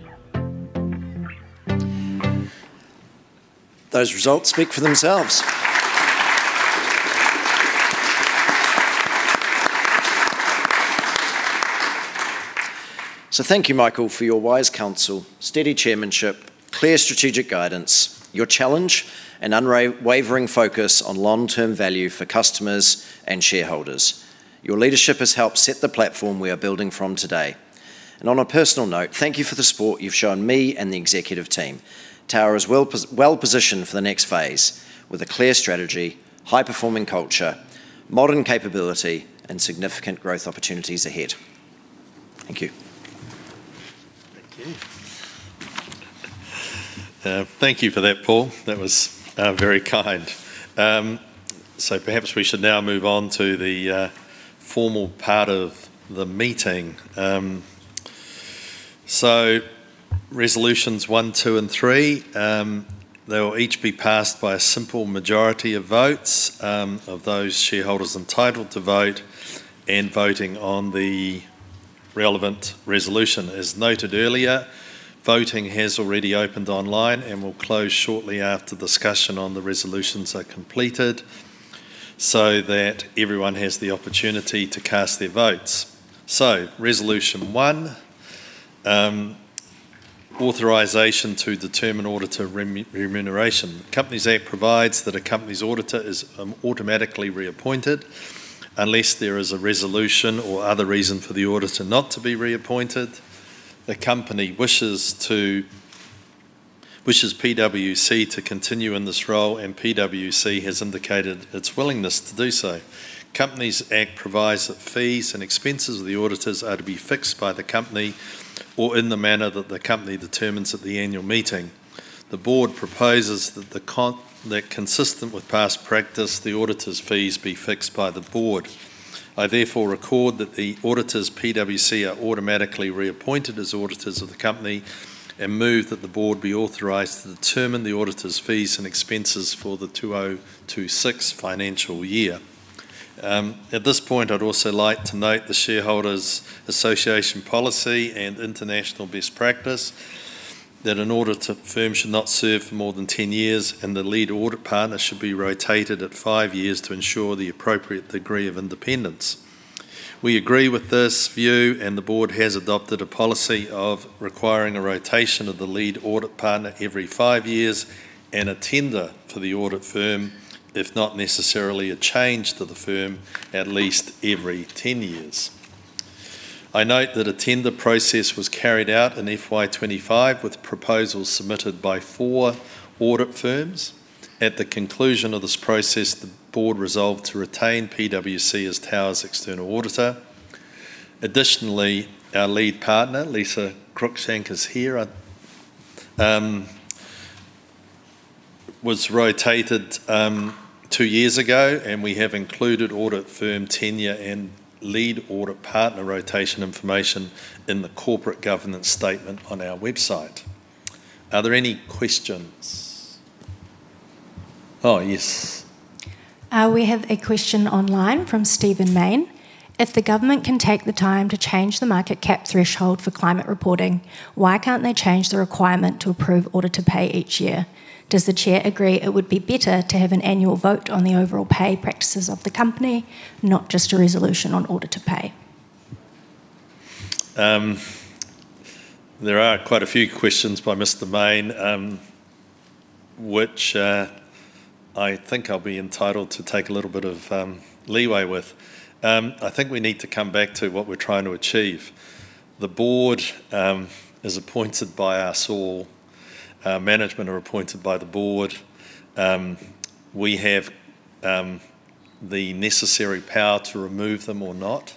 Those results speak for themselves. So thank you, Michael, for your wise counsel, steady chairmanship, clear strategic guidance, your challenge, and unwavering focus on long-term value for customers and shareholders. Your leadership has helped set the platform we are building from today. On a personal note, thank you for the support you've shown me and the executive team. Tower is well-positioned for the next phase, with a clear strategy, high-performing culture, modern capability, and significant growth opportunities ahead. Thank you. Thank you. Thank you for that, Paul. That was very kind. So perhaps we should now move on to the formal part of the meeting. So Resolutions one, two, and three, they will each be passed by a simple majority of votes, of those shareholders entitled to vote and voting on the relevant resolution. As noted earlier, voting has already opened online and will close shortly after discussion on the resolutions are completed so that everyone has the opportunity to cast their votes. So Resolution one, authorization to determine auditor remuneration. Companies Act provides that a company's auditor is automatically reappointed, unless there is a resolution or other reason for the auditor not to be reappointed. The company wishes PwC to continue in this role, and PwC has indicated its willingness to do so. Companies Act provides that fees and expenses of the auditors are to be fixed by the company or in the manner that the company determines at the annual meeting. The board proposes that, consistent with past practice, the auditor's fees be fixed by the board. I therefore record that the auditors, PwC, are automatically reappointed as auditors of the company and move that the board be authorized to determine the auditors' fees and expenses for the 2026 financial year. At this point, I'd also like to note the Shareholders Association policy and international best practice, that an audit firm should not serve for more than 10 years, and the lead audit partner should be rotated at five years to ensure the appropriate degree of independence. We agree with this view, and the board has adopted a policy of requiring a rotation of the lead audit partner every five years and a tender to the audit firm, if not necessarily a change to the firm, at least every 10 years. I note that a tender process was carried out in FY 2025, with proposals submitted by four audit firms. At the conclusion of this process, the board resolved to retain PwC as Tower's external auditor. Additionally, our lead partner, Lisa Cruikshank, is here, was rotated two years ago, and we have included audit firm tenure and lead audit partner rotation information in the corporate governance statement on our website. Are there any questions? Oh, yes. We have a question online from Stephen Mayne: "If the government can take the time to change the market cap threshold for climate reporting, why can't they change the requirement to approve auditor pay each year? Does the chair agree it would be better to have an annual vote on the overall pay practices of the company, not just a resolution on auditor pay? There are quite a few questions by Mr. Mayne, which, I think I'll be entitled to take a little bit of leeway with. I think we need to come back to what we're trying to achieve. The board is appointed by us, or management are appointed by the board. We have the necessary power to remove them or not.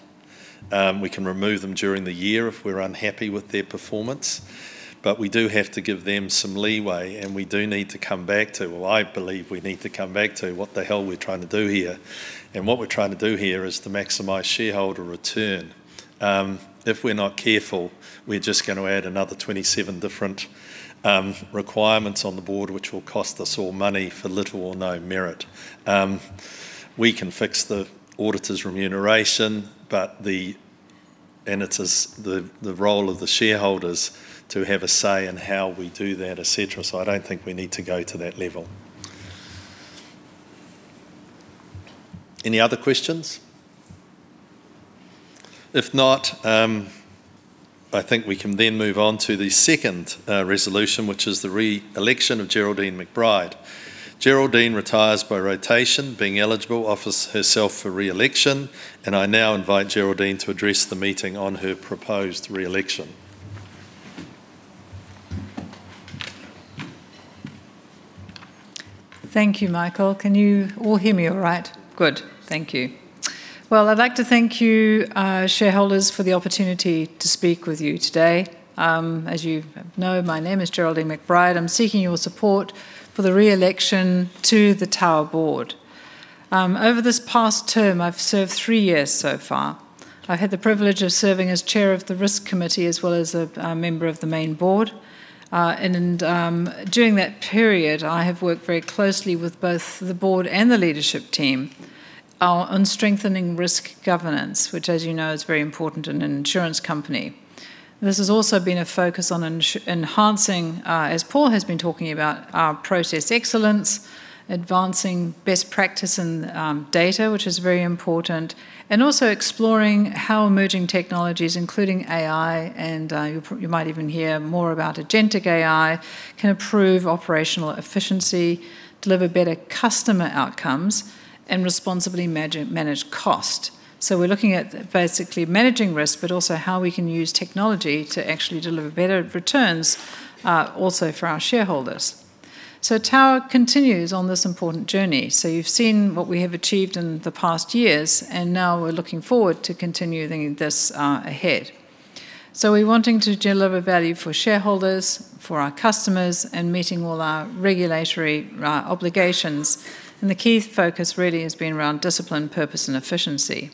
We can remove them during the year if we're unhappy with their performance, but we do have to give them some leeway, and we do need to come back to what the hell we're trying to do here. Well, I believe we need to come back to what the hell we're trying to do here, and what we're trying to do here is to maximize shareholder return. If we're not careful, we're just going to add another 27 different requirements on the board, which will cost us all money for little or no merit. We can fix the auditor's remuneration, but the, and it is the, the role of the shareholders to have a say in how we do that, etc. so I don't think we need to go to that level. Any other questions? If not, I think we can then move on to the second resolution, which is the re-election of Geraldine McBride. Geraldine retires by rotation, being eligible, offers herself for re-election, and I now invite Geraldine to address the meeting on her proposed re-election. Thank you, Michael. Can you all hear me all right? Good. Thank you. Well, I'd like to thank you, shareholders, for the opportunity to speak with you today. As you know, my name is Geraldine McBride. I'm seeking your support for the re-election to the Tower board. Over this past term, I've served three years so far. I've had the privilege of serving as Chair of the Risk Committee, as well as a member of the main board. During that period, I have worked very closely with both the board and the leadership team on strengthening risk governance, which, as you know, is very important in an insurance company. This has also been a focus on enhancing, as Paul has been talking about, our process excellence, advancing best practice in, data, which is very important, and also exploring how emerging technologies, including AI, and, you might even hear more about agentic AI, can improve operational efficiency, deliver better customer outcomes, and responsibly manage cost. So we're looking at basically managing risk, but also how we can use technology to actually deliver better returns, also for our shareholders. So Tower continues on this important journey. So you've seen what we have achieved in the past years, and now we're looking forward to continuing this, ahead. So we're wanting to deliver value for shareholders, for our customers, and meeting all our regulatory, obligations, and the key focus really has been around discipline, purpose, and efficiency.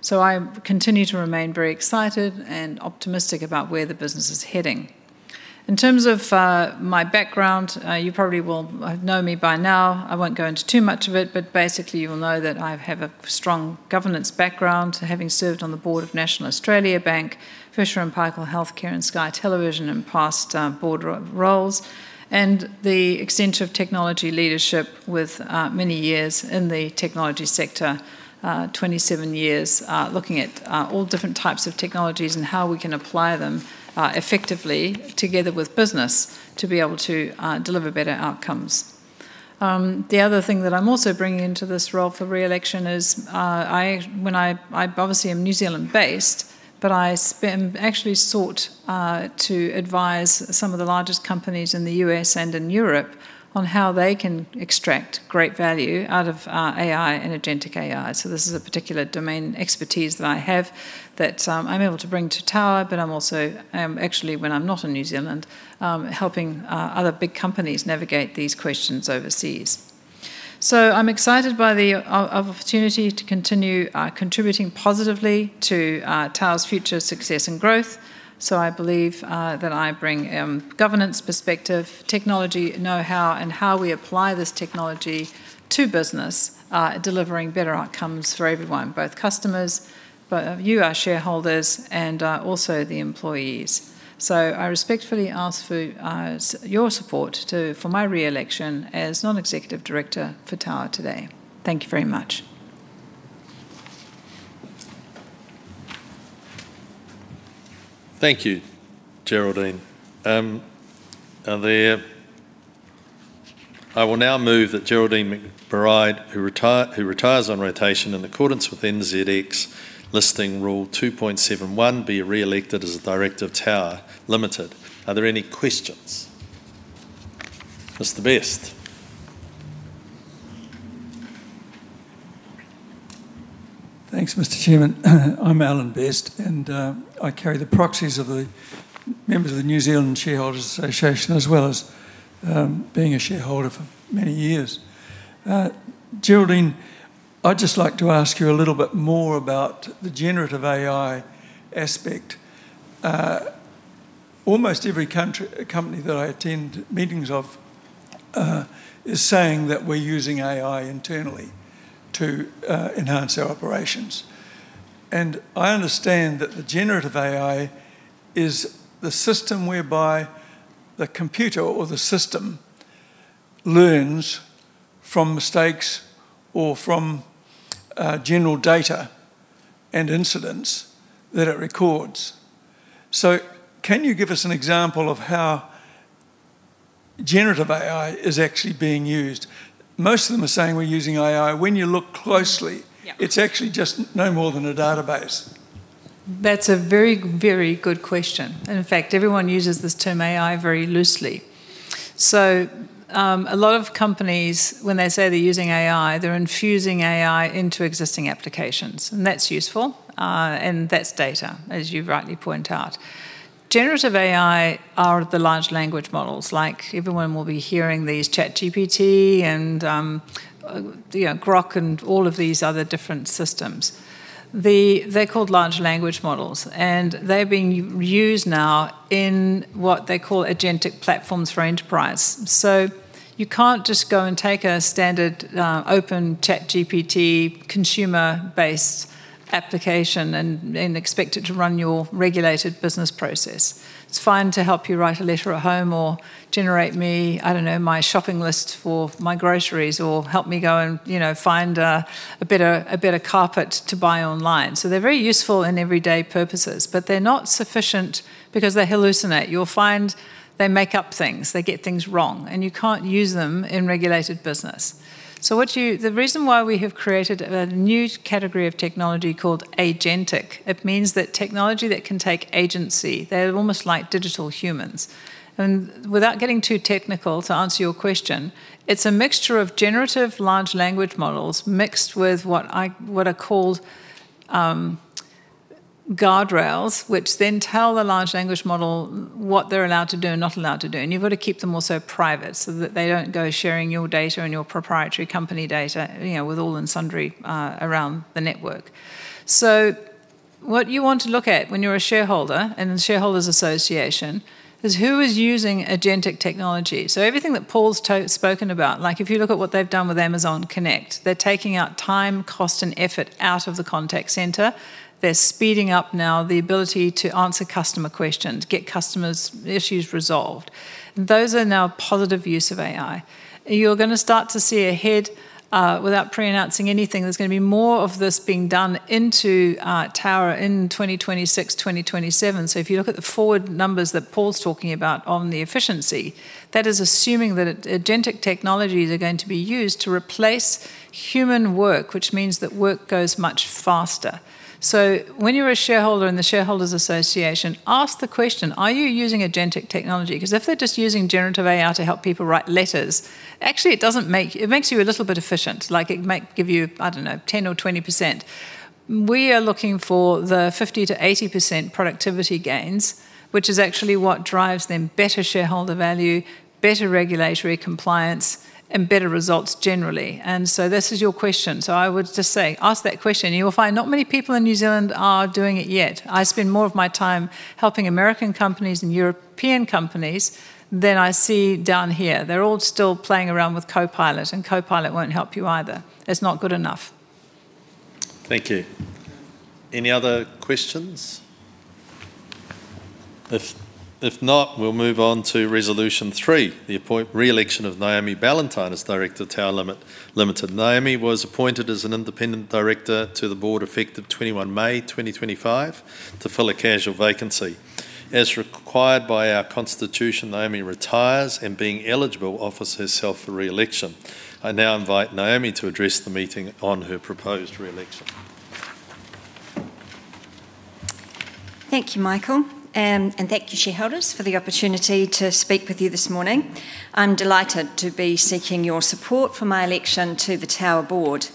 So I continue to remain very excited and optimistic about where the business is heading. In terms of my background, you probably will know me by now. I won't go into too much of it, but basically, you will know that I have a strong governance background, having served on the board of National Australia Bank, Fisher & Paykel Healthcare, and Sky Television in past board roles, and the extent of technology leadership with many years in the technology sector, 27 years, looking at all different types of technologies and how we can apply them effectively together with business to be able to deliver better outcomes. The other thing that I'm also bringing into this role for re-election is, I obviously am New Zealand-based, but actually sought to advise some of the largest companies in the U.S. and in Europe on how they can extract great value out of AI and agentic AI. So this is a particular domain expertise that I have that I'm able to bring to Tower, but I'm also actually, when I'm not in New Zealand, helping other big companies navigate these questions overseas. So I'm excited by the opportunity to continue contributing positively to Tower's future success and growth, so I believe that I bring governance perspective, technology know-how, and how we apply this technology to business, delivering better outcomes for everyone, both customers, you, our shareholders, and also the employees. So I respectfully ask for your support for my re-election as non-executive director for Tower today. Thank you very much. Thank you, Geraldine. I will now move that Geraldine McBride, who retires on rotation in accordance with NZX Listing Rule 2.7.1, be re-elected as a director of Tower Limited. Are there any questions? Mr. Best. Thanks, Mr. Chairman. I'm Alan Best, and I carry the proxies of the members of the New Zealand Shareholders Association, as well as being a shareholder for many years. Geraldine, I'd just like to ask you a little bit more about the generative AI aspect. Almost every country, company that I attend meetings of is saying that we're using AI internally to enhance our operations, and I understand that the generative AI is the system whereby the computer or the system learns from mistakes or from general data and incidents that it records. So can you give us an example of how generative AI is actually being used? Most of them are saying we're using AI. When you look closely- Yeah it's actually just no more than a database. That's a very, very good question, and in fact, everyone uses this term AI very loosely. So, a lot of companies, when they say they're using AI, they're infusing AI into existing applications, and that's useful, and that's data, as you rightly point out. Generative AI are the large language models, like everyone will be hearing these ChatGPT and, you know, Grok, and all of these other different systems. They're called large language models, and they're being used now in what they call agentic platforms for enterprise. So you can't just go and take a standard, open ChatGPT consumer-based application and expect it to run your regulated business process. It's fine to help you write a letter at home or generate me, I don't know, my shopping list for my groceries, or help me go and, you know, find a better carpet to buy online. So they're very useful in everyday purposes, but they're not sufficient because they hallucinate. You'll find they make up things, they get things wrong, and you can't use them in regulated business. So what you. The reason why we have created a new category of technology called agentic, it means that technology that can take agency, they're almost like digital humans. And without getting too technical, to answer your question, it's a mixture of generative large language models mixed with what are called guardrails, which then tell the large language model what they're allowed to do and not allowed to do. And you've got to keep them also private, so that they don't go sharing your data and your proprietary company data, you know, with all and sundry around the network. So what you want to look at when you're a shareholder in the Shareholders Association, is who is using agentic technology? So everything that Paul's spoken about, like if you look at what they've done with Amazon Connect, they're taking out time, cost, and effort out of the contact centre. They're speeding up now the ability to answer customer questions, get customers' issues resolved. Those are now positive use of AI. You're gonna start to see ahead, without pre-announcing anything, there's gonna be more of this being done into Tower in 2026, 2027. If you look at the forward numbers that Paul's talking about on the efficiency, that is assuming that agentic technologies are going to be used to replace human work, which means that work goes much faster. When you're a shareholder in the Shareholders Association, ask the question: "Are you using agentic technology?" Because if they're just using generative AI to help people write letters, actually, it doesn't make... it makes you a little bit efficient, like it might give you, I don't know, 10% or 20%. We are looking for the 50% to 80% productivity gains, which is actually what drives then better shareholder value, better regulatory compliance, and better results generally. This is your question. I would just say, ask that question, and you will find not many people in New Zealand are doing it yet. I spend more of my time helping American companies and European companies than I see down here. They're all still playing around with Copilot, and Copilot won't help you either. It's not good enough. Thank you. Any other questions? If not, we'll move on to Resolution three, the re-election of Naomi Ballantyne as director of Tower Limited. Naomi was appointed as an independent director to the board, effective twenty-one May, 2025, to fill a casual vacancy. As required by our constitution, Naomi retires, and being eligible, offers herself for re-election. I now invite Naomi to address the meeting on her proposed re-election. Thank you, Michael, and thank you, shareholders, for the opportunity to speak with you this morning. I'm delighted to be seeking your support for my election to the Tower board.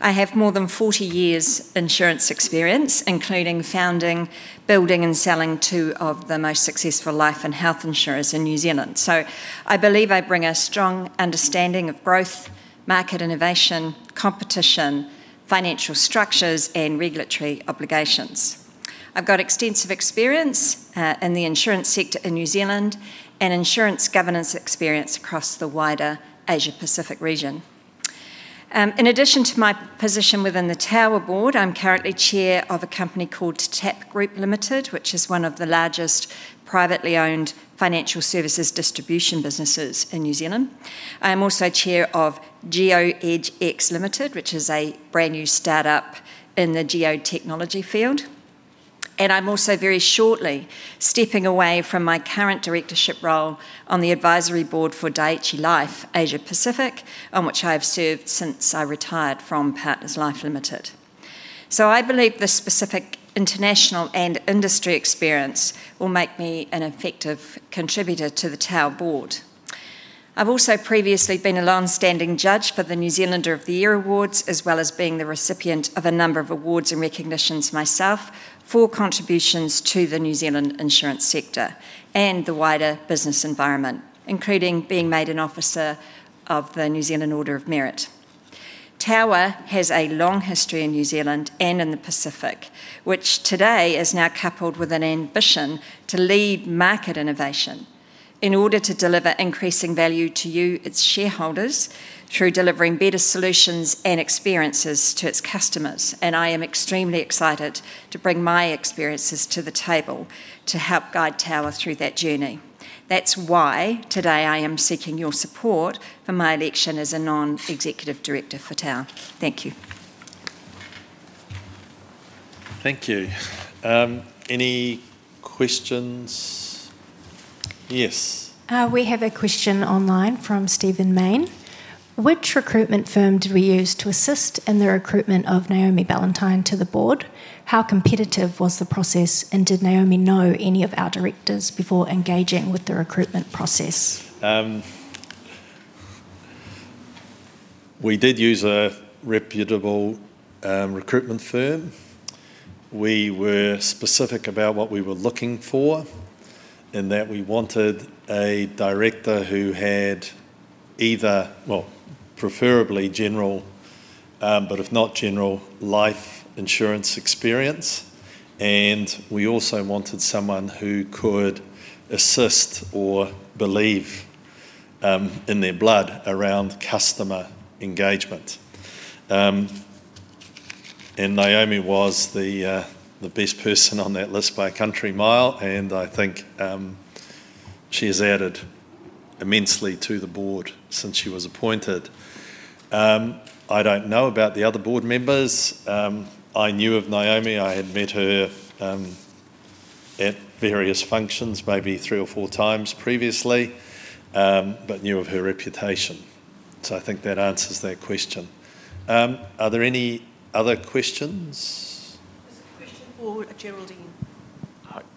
I have more than 40 years' insurance experience, including founding, building, and selling two of the most successful life and health insurers in New Zealand. So I believe I bring a strong understanding of growth, market innovation, competition, financial structures, and regulatory obligations. I've got extensive experience in the insurance sector in New Zealand, and insurance governance experience across the wider Asia-Pacific region. In addition to my position within the Tower board, I'm currently chair of a company called TAP Group Limited, which is one of the largest privately-owned financial services distribution businesses in New Zealand. I am also Chair of GeoHedgeX Limited, which is a brand-new start-up in the geo-technology field, and I'm also very shortly stepping away from my current directorship role on the advisory board for Dai-ichi Life Asia Pacific, on which I have served since I retired from Partners Life Limited. So I believe this specific international and industry experience will make me an effective contributor to the Tower board. I've also previously been a long-standing judge for the New Zealander of the Year Awards, as well as being the recipient of a number of awards and recognitions myself for contributions to the New Zealand insurance sector and the wider business environment, including being made an Officer of the New Zealand Order of Merit. Tower has a long history in New Zealand and in the Pacific, which today is now coupled with an ambition to lead market innovation in order to deliver increasing value to you, its shareholders, through delivering better solutions and experiences to its customers, and I am extremely excited to bring my experiences to the table to help guide Tower through that journey. That's why today I am seeking your support for my election as a non-executive director for Tower. Thank you. Thank you. Any questions? Yes. We have a question online from Steven Main. Which recruitment firm did we use to assist in the recruitment of Naomi Ballantyne to the board? How competitive was the process, and did Naomi know any of our directors before engaging with the recruitment process? We did use a reputable, recruitment firm. We were specific about what we were looking for, in that we wanted a director who had either... well, preferably general, but if not general, life insurance experience, and we also wanted someone who could assist or believe, in their blood around customer engagement. And Naomi was the, the best person on that list by a country mile, and I think, she has added immensely to the board since she was appointed. I don't know about the other board members. I knew of Naomi. I had met her, at various functions maybe three or four times previously, but knew of her reputation. So I think that answers that question. Are there any other questions? There's a question for Geraldine.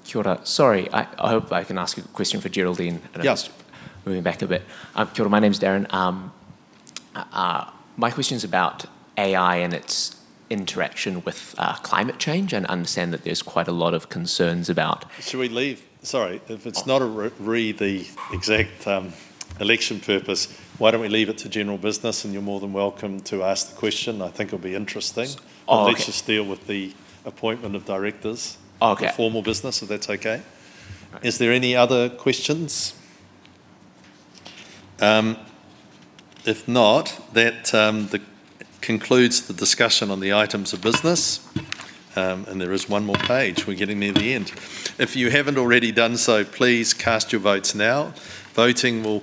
Kia ora. Sorry, I hope I can ask a question for Geraldine- Yes. I'm just moving back a bit. Kia ora, my name's Darren. My question's about AI and its interaction with climate change, and I understand that there's quite a lot of concerns about- Should we leave... Sorry, if it's not re the exact election purpose, why don't we leave it to general business, and you're more than welcome to ask the question. I think it'll be interesting. Oh, okay. I'll let us deal with the appointment of directors- Okay the formal business, if that's okay. Right. Is there any other questions? If not, that concludes the discussion on the items of business. There is one more page. We're getting near the end. If you haven't already done so, please cast your votes now. Voting will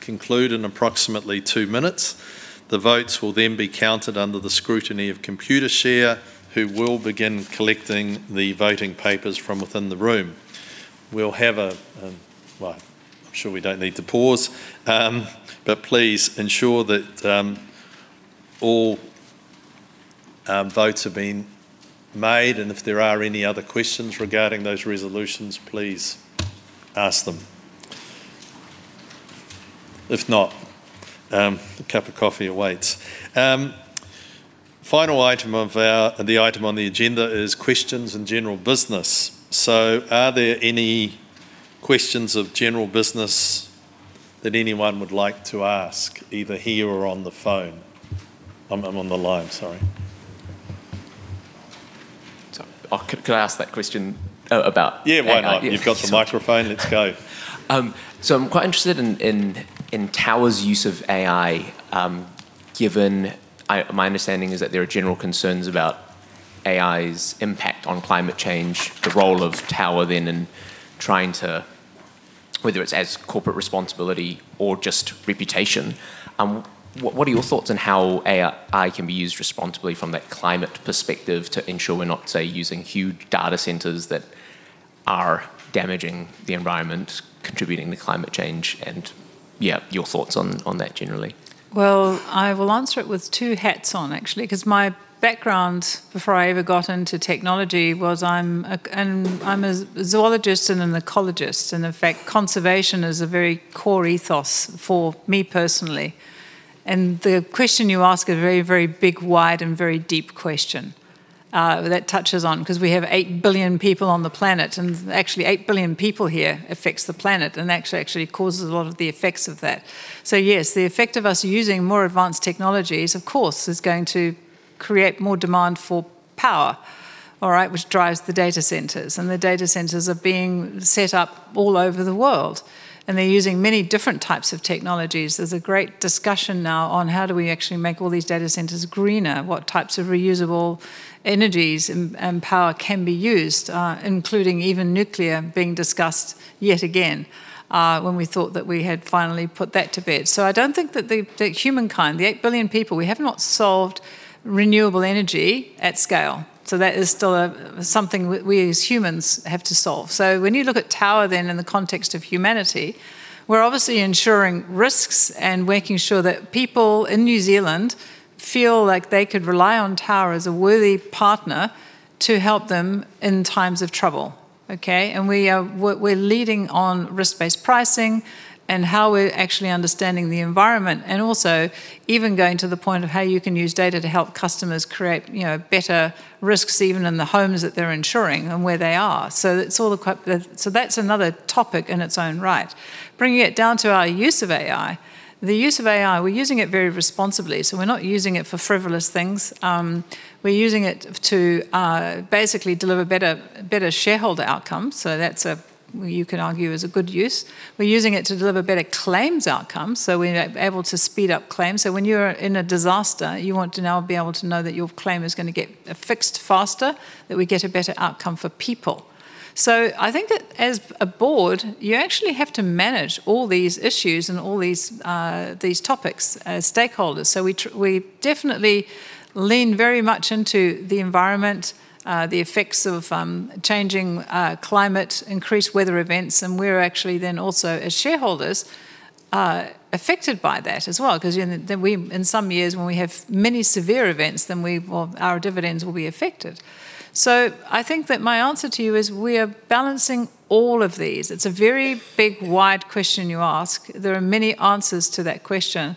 conclude in approximately two minutes. The votes will then be counted under the scrutiny of Computershare, who will begin collecting the voting papers from within the room. We'll have a, well, I'm sure we don't need to pause. Please ensure that all votes have been made, and if there are any other questions regarding those resolutions, please ask them. If not, a cup of coffee awaits. The final item on the agenda is questions and general business. So are there any questions of general business that anyone would like to ask, either here or on the phone? On the line, sorry. So, could I ask that question about AI? Yeah, why not? Yes. You've got the microphone. Let's go. So I'm quite interested in Tower's use of AI, given my understanding is that there are general concerns about AI's impact on climate change, the role of Tower then in trying to... whether it's as corporate responsibility or just reputation. What are your thoughts on how AI can be used responsibly from that climate perspective to ensure we're not, say, using huge data centers that are damaging the environment, contributing to climate change, and, yeah, your thoughts on that generally? Well, I will answer it with two hats on, actually, 'cause my background before I ever got into technology was I'm a, I'm a zoologist and an ecologist, and in fact, conservation is a very core ethos for me personally. And the question you ask is a very, very big, wide, and very deep question, that touches on... 'Cause we have 8 billion people on the planet, and actually, 8 billion people here affects the planet and actually, actually causes a lot of the effects of that. So yes, the effect of us using more advanced technologies, of course, is going to create more demand for power, all right, which drives the data centers, and the data centers are being set up all over the world, and they're using many different types of technologies. There's a great discussion now on how do we actually make all these data centers greener, what types of reusable energies and power can be used, including even nuclear being discussed yet again, when we thought that we had finally put that to bed. So I don't think that the humankind, the 8 billion people, we have not solved renewable energy at scale, so that is still something we as humans have to solve. So when you look at Tower then in the context of humanity, we're obviously ensuring risks and making sure that people in New Zealand feel like they could rely on Tower as a worthy partner to help them in times of trouble, okay? And we're leading on risk-based pricing and how we're actually understanding the environment, and also even going to the point of how you can use data to help customers create, you know, better risks even in the homes that they're insuring and where they are. So that's another topic in its own right. Bringing it down to our use of AI, the use of AI, we're using it very responsibly. So we're not using it for frivolous things. We're using it to basically deliver better, better shareholder outcomes, so that's a, you could argue, is a good use. We're using it to deliver better claims outcomes, so we're able to speed up claims. So when you're in a disaster, you want to now be able to know that your claim is gonna get fixed faster, that we get a better outcome for people. So I think that as a board, you actually have to manage all these issues and all these these topics as stakeholders. So we definitely lean very much into the environment, the effects of changing climate, increased weather events, and we're actually then also, as shareholders, affected by that as well. 'Cause, you know, then we, in some years when we have many severe events, then we, well, our dividends will be affected. So I think that my answer to you is we are balancing all of these. It's a very big, wide question you ask. There are many answers to that question,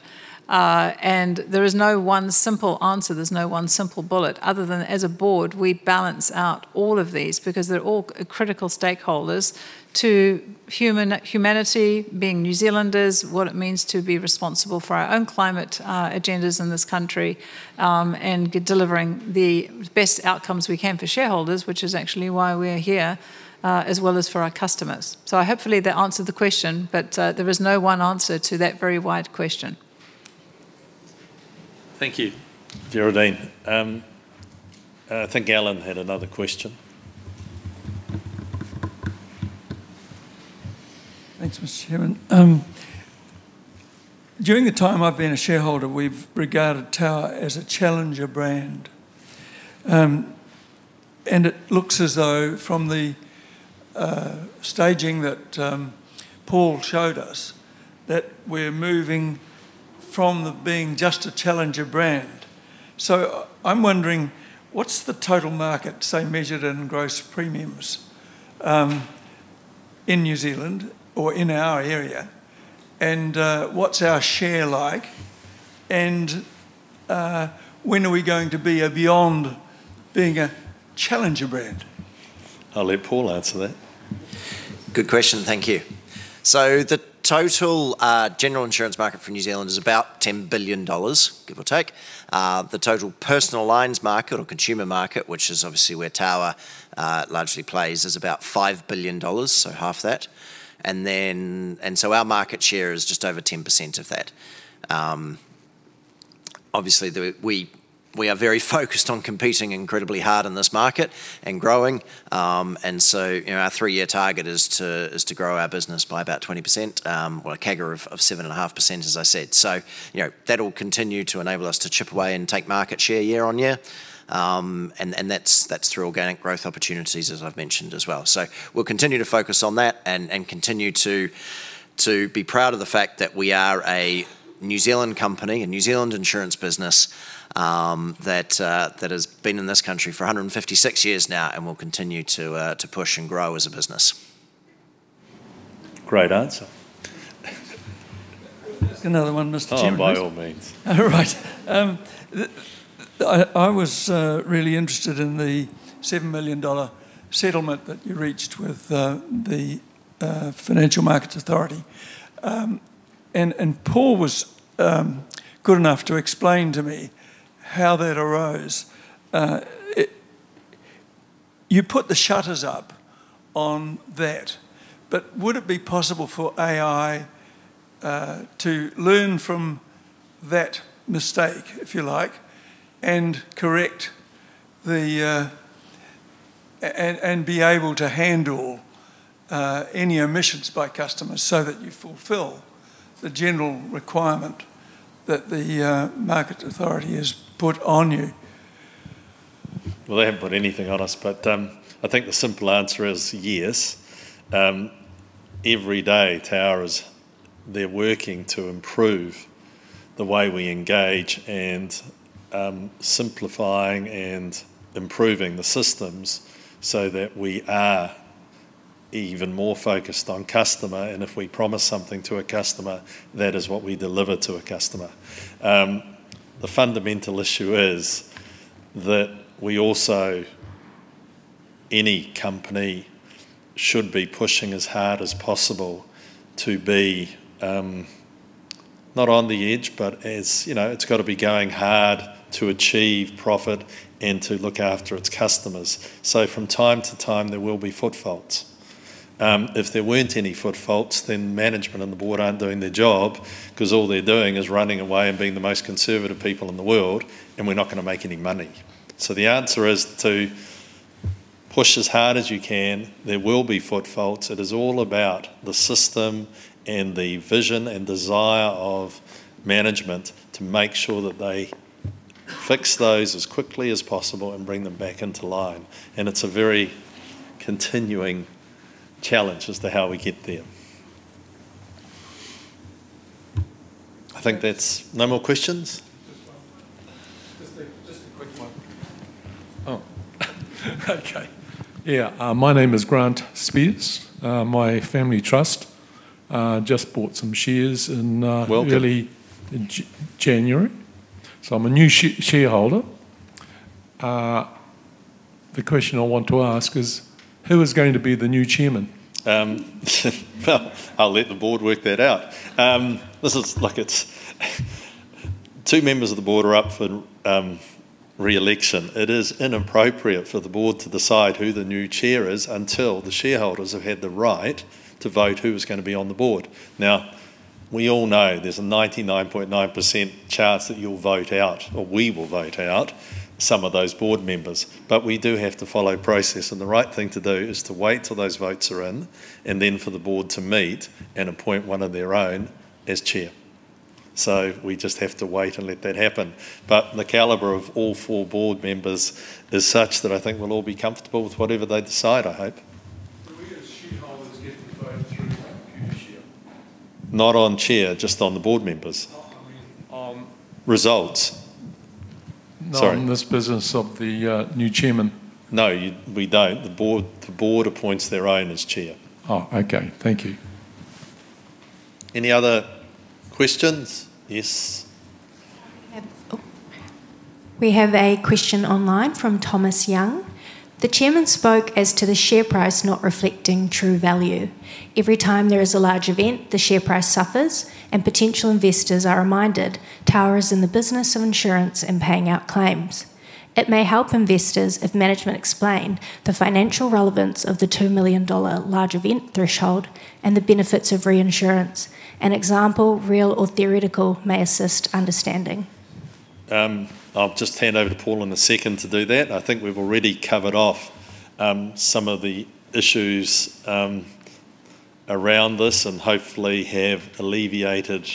and there is no one simple answer. There's no one simple bullet, other than as a board, we balance out all of these, because they're all critical stakeholders to humanity, being New Zealanders, what it means to be responsible for our own climate agendas in this country, and delivering the best outcomes we can for shareholders, which is actually why we're here, as well as for our customers. So hopefully that answered the question, but, there is no one answer to that very wide question. Thank you, Geraldine. I think Alan had another question. Thanks, Mr. Chairman. During the time I've been a shareholder, we've regarded Tower as a challenger brand. And it looks as though from the staging that Paul showed us, that we're moving from being just a challenger brand. So I'm wondering, what's the total market, say, measured in gross premiums, in New Zealand or in our area? And, what's our share like, and, when are we going to be beyond being a challenger brand? I'll let Paul answer that. Good question, thank you. So the total general insurance market for New Zealand is about 10 billion dollars, give or take. The total personal lines market or consumer market, which is obviously where Tower largely plays, is about 5 billion dollars, so half that. And then. And so our market share is just over 10% of that. Obviously, we, we are very focused on competing incredibly hard in this market and growing. And so, you know, our three-year target is to, is to grow our business by about 20%, or a CAGR of 7.5%, as I said. So, you know, that'll continue to enable us to chip away and take market share year on year. And, and that's, that's through organic growth opportunities, as I've mentioned as well. So we'll continue to focus on that and continue to be proud of the fact that we are a New Zealand company, a New Zealand insurance business, that has been in this country for 156 years now and will continue to push and grow as a business. Great answer. Another one, Mr. Chairman. Oh, by all means. All right. I was really interested in the 7 million dollar settlement that you reached with the Financial Markets Authority. And Paul was good enough to explain to me how that arose. You put the shutters up on that, but would it be possible for AI to learn from that mistake, if you like, and correct the and be able to handle any omissions by customers so that you fulfill the general requirement that the market authority has put on you? Well, they haven't put anything on us, but, I think the simple answer is yes. Every day, Tower is. They're working to improve the way we engage and, simplifying and improving the systems so that we are even more focused on customer, and if we promise something to a customer, that is what we deliver to a customer. The fundamental issue is that we also, any company, should be pushing as hard as possible to be, not on the edge, but as, you know, it's got to be going hard to achieve profit and to look after its customers. So from time to time, there will be foot faults. If there weren't any foot faults, then management and the board aren't doing their job, 'cause all they're doing is running away and being the most conservative people in the world, and we're not gonna make any money. So the answer is to push as hard as you can. There will be foot faults. It is all about the system and the vision and desire of management to make sure that they fix those as quickly as possible and bring them back into line. And it's a very continuing challenge as to how we get there. I think that's... No more questions? Just one. Just a quick one. Oh, okay. Yeah, my name is Grant Spears. My family trust just bought some shares in, Welcome early in January, so I'm a new shareholder. The question I want to ask is, who is going to be the new chairman? Well, I'll let the board work that out. Two members of the board are up for re-election. It is inappropriate for the board to decide who the new chair is until the shareholders have had the right to vote who is gonna be on the board. We all know there's a 99.9% chance that you'll vote out, or we will vote out some of those board members, but we do have to follow process, and the right thing to do is to wait till those votes are in, and then for the board to meet and appoint one of their own as chair. So we just have to wait and let that happen. But the caliber of all four board members is such that I think we'll all be comfortable with whatever they decide, I hope. Do we as shareholders get to vote through for a new chair? Not on chair, just on the board members. Oh, I mean, on- Results. Sorry. Not on this business of the new chairman? No, you, we don't. The board appoints their own as chair. Oh, okay. Thank you. Any other questions? Yes. We have a question online from Thomas Young: "The chairman spoke as to the share price not reflecting true value. Every time there is a large event, the share price suffers and potential investors are reminded Tower is in the business of insurance and paying out claims. It may help investors if management explained the financial relevance of the 2 million dollar large event threshold and the benefits of reinsurance. An example, real or theoretical, may assist understanding. I'll just hand over to Paul in a second to do that. I think we've already covered off some of the issues around this, and hopefully have alleviated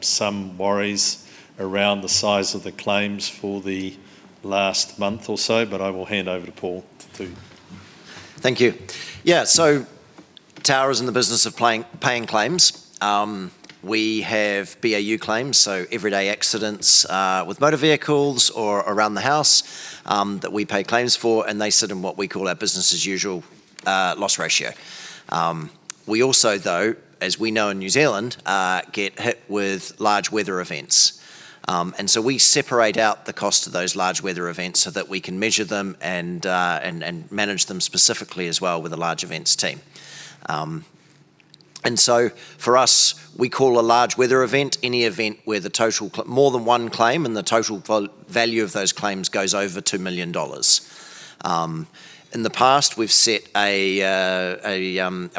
some worries around the size of the claims for the last month or so, but I will hand over to Paul to- Thank you. Yeah, so Tower is in the business of paying claims. We have BAU claims, so everyday accidents, with motor vehicles or around the house, that we pay claims for, and they sit in what we call our business as usual loss ratio. We also, though, as we know in New Zealand, get hit with large weather events. And so we separate out the cost of those large weather events so that we can measure them and manage them specifically as well with the large events team. And so for us, we call a large weather event any event where the total more than one claim, and the total value of those claims goes over 2 million dollars. In the past, we've set a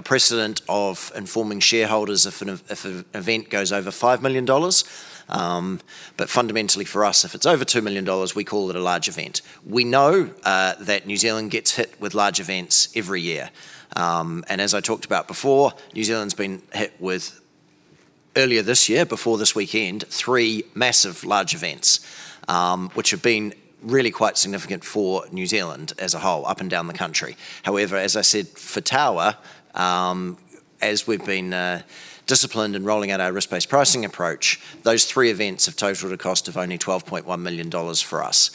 precedent of informing shareholders if an event goes over 5 million dollars, but fundamentally for us, if it's over 2 million dollars, we call it a large event. We know that New Zealand gets hit with large events every year. As I talked about before, New Zealand's been hit with, earlier this year, before this weekend, three massive large events, which have been really quite significant for New Zealand as a whole, up and down the country. However, as I said, for Tower, as we've been disciplined in rolling out our Risk-Based Pricing approach, those three events have totaled a cost of only 12.1 million dollars for us.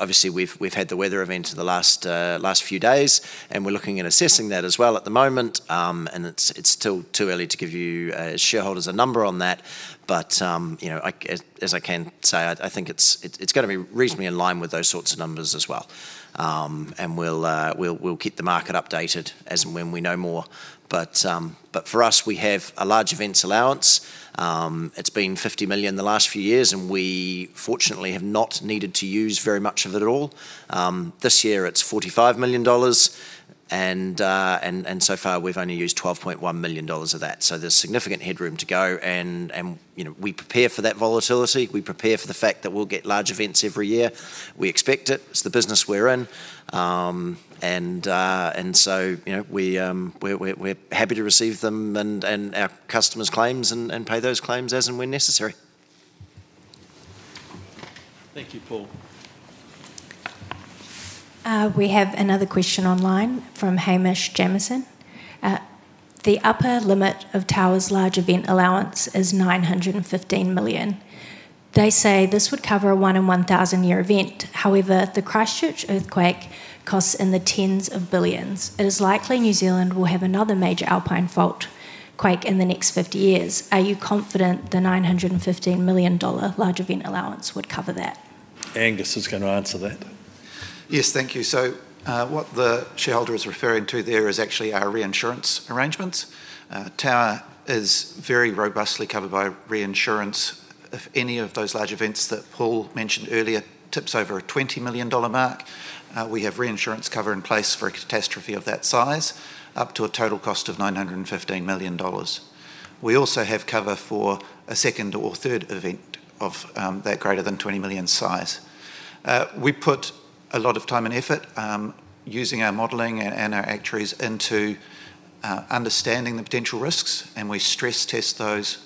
Obviously, we've had the weather event in the last few days, and we're looking at assessing that as well at the moment. And it's still too early to give you, as shareholders, a number on that, but you know, as I can say, I think it's gonna be reasonably in line with those sorts of numbers as well. And we'll keep the market updated as and when we know more. But for us, we have a large events allowance. It's been 50 million the last few years, and we fortunately have not needed to use very much of it at all. This year it's 45 million dollars, and so far we've only used 12.1 million dollars of that, so there's significant headroom to go, and you know, we prepare for that volatility. We prepare for the fact that we'll get large events every year. We expect it. It's the business we're in. And so, you know, we're happy to receive them and our customers' claims and pay those claims as and when necessary. Thank you, Paul. We have another question online from Hamish Jamieson: "The upper limit of Tower's Large Events Allowance is 915 million. They say this would cover a one in 1,000-year event. However, the Christchurch earthquake costs in the NZD tens of billions. It is likely New Zealand will have another major Alpine Fault quake in the next 50 years. Are you confident the 915 million dollar Large Events Allowance would cover that? Angus is going to answer that. Yes, thank you. So, what the shareholder is referring to there is actually our reinsurance arrangements. Tower is very robustly covered by reinsurance. If any of those large events that Paul mentioned earlier tips over a 20 million dollar mark, we have reinsurance cover in place for a catastrophe of that size, up to a total cost of 915 million dollars. We also have cover for a second or third event of that greater than 20 million size. We put a lot of time and effort using our modeling and our actuaries into understanding the potential risks, and we stress-test those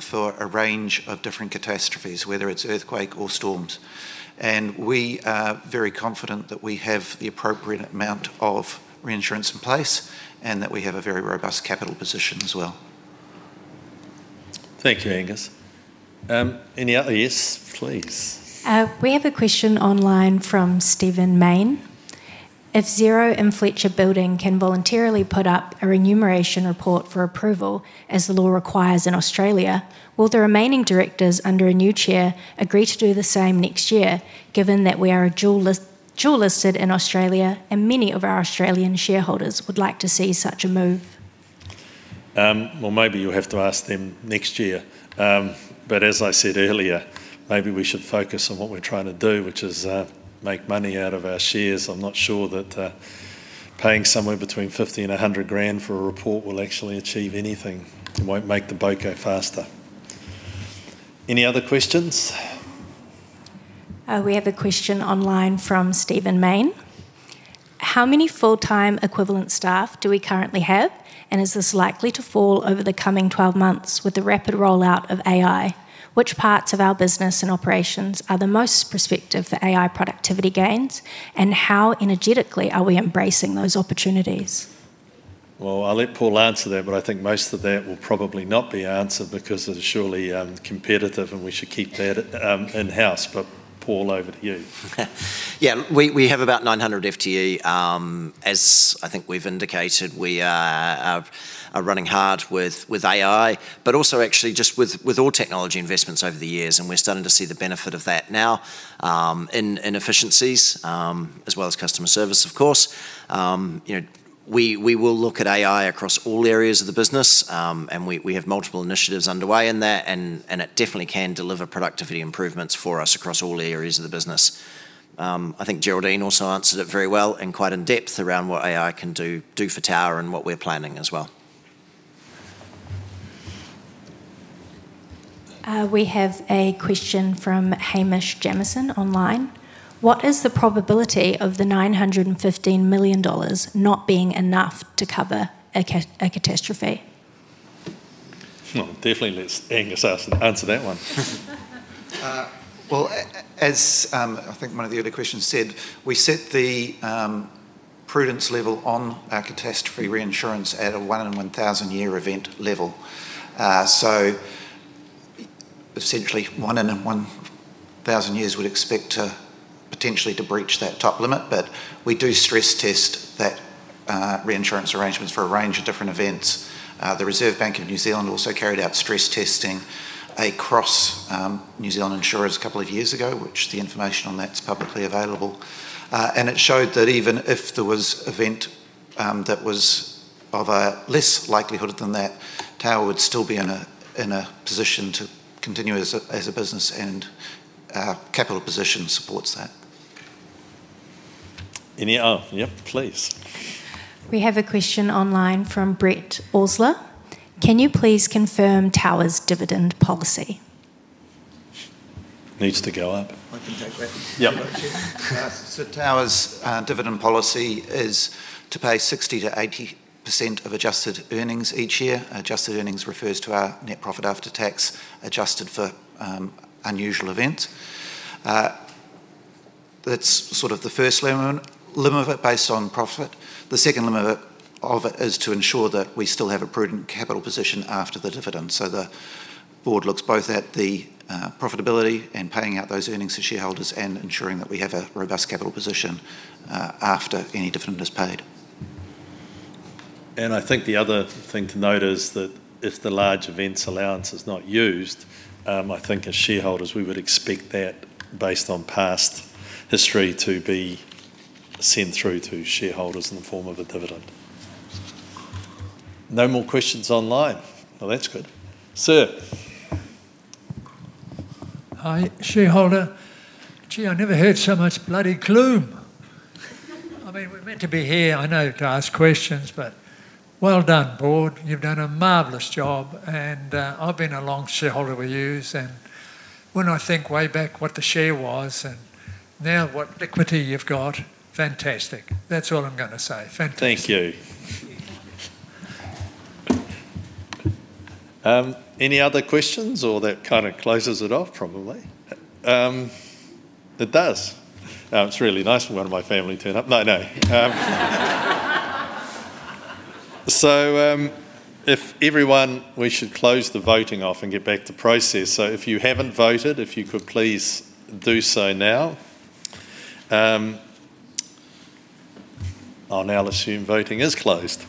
for a range of different catastrophes, whether it's earthquake or storms. And we are very confident that we have the appropriate amount of reinsurance in place and that we have a very robust capital position as well. Thank you, Angus. Any other... Yes, please. We have a question online from Steven Main: "If Xero and Fletcher Building can voluntarily put up a remuneration report for approval, as the law requires in Australia, will the remaining directors under a new chair agree to do the same next year, given that we are dual listed in Australia, and many of our Australian shareholders would like to see such a move? Well, maybe you'll have to ask them next year. But as I said earlier, maybe we should focus on what we're trying to do, which is make money out of our shares. I'm not sure that paying somewhere between 50,000 and 100,000 for a report will actually achieve anything. It won't make the boat go faster. Any other questions? We have a question online from Steven Main: How many full-time equivalent staff do we currently have, and is this likely to fall over the coming 12 months with the rapid rollout of AI? Which parts of our business and operations are the most prospective for AI productivity gains, and how energetically are we embracing those opportunities? Well, I'll let Paul answer that, but I think most of that will probably not be answered because it's surely competitive, and we should keep that in-house. But Paul, over to you. Yeah, we have about 900 FTE. As I think we've indicated, we are running hard with AI, but also actually just with all technology investments over the years, and we're starting to see the benefit of that now, in efficiencies, as well as customer service, of course. You know, we will look at AI across all areas of the business, and we have multiple initiatives underway in that, and it definitely can deliver productivity improvements for us across all areas of the business. I think Geraldine also answered it very well and quite in depth around what AI can do for Tower and what we're planning as well. We have a question from Hamish Jamieson online: What is the probability of the 915 million dollars not being enough to cover a catastrophe? Well, definitely let's Angus answer that one. Well, as I think one of the other questions said, we set the prudence level on our catastrophe reinsurance at a one in 1,000-year event level. So essentially, one in a 1,000 years we'd expect to potentially to breach that top limit, but we do stress test that reinsurance arrangements for a range of different events. The Reserve Bank of New Zealand also carried out stress testing across New Zealand insurers a couple of years ago, which the information on that's publicly available. And it showed that even if there was event that was of a less likelihood than that, Tower would still be in a position to continue as a business, and our capital position supports that. Yep, please. We have a question online from Brett Osler: Can you please confirm Tower's dividend policy? Needs to go up. I can take that. Yep. So Tower's dividend policy is to pay 60% to 80% of adjusted earnings each year. Adjusted earnings refers to our net profit after tax, adjusted for unusual events. That's sort of the first limit of it, based on profit. The second limit of it, of it, is to ensure that we still have a prudent capital position after the dividend. So the board looks both at the profitability and paying out those earnings to shareholders and ensuring that we have a robust capital position after any dividend is paid. I think the other thing to note is that if the Large Events Allowance is not used, I think as shareholders, we would expect that, based on past history, to be sent through to shareholders in the form of a dividend. No more questions online. Well, that's good. Sir? Hi, shareholder. Gee, I never heard so much bloody gloom! I mean, we're meant to be here, I know, to ask questions, but well done, board. You've done a marvelous job and, I've been a long shareholder with yous, and when I think way back what the share was and now what equity you've got, fantastic. That's all I'm gonna say. Fantastic. Thank you. Any other questions, or that kind of closes it off probably? It does. It's really nice when one of my family turn up. No, no. So, if everyone, we should close the voting off and get back to process. So if you haven't voted, if you could please do so now. I'll now assume voting is closed.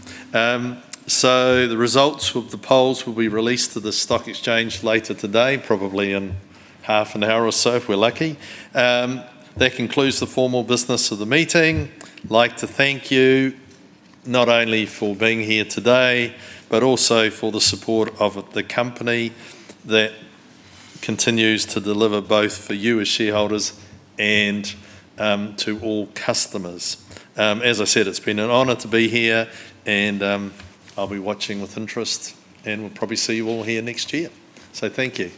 So the results of the polls will be released to the stock exchange later today, probably in half an hour or so, if we're lucky. That concludes the formal business of the meeting. Like to thank you, not only for being here today, but also for the support of the company that continues to deliver both for you as shareholders and to all customers. As I said, it's been an honor to be here, and I'll be watching with interest, and we'll probably see you all here next year. So thank you.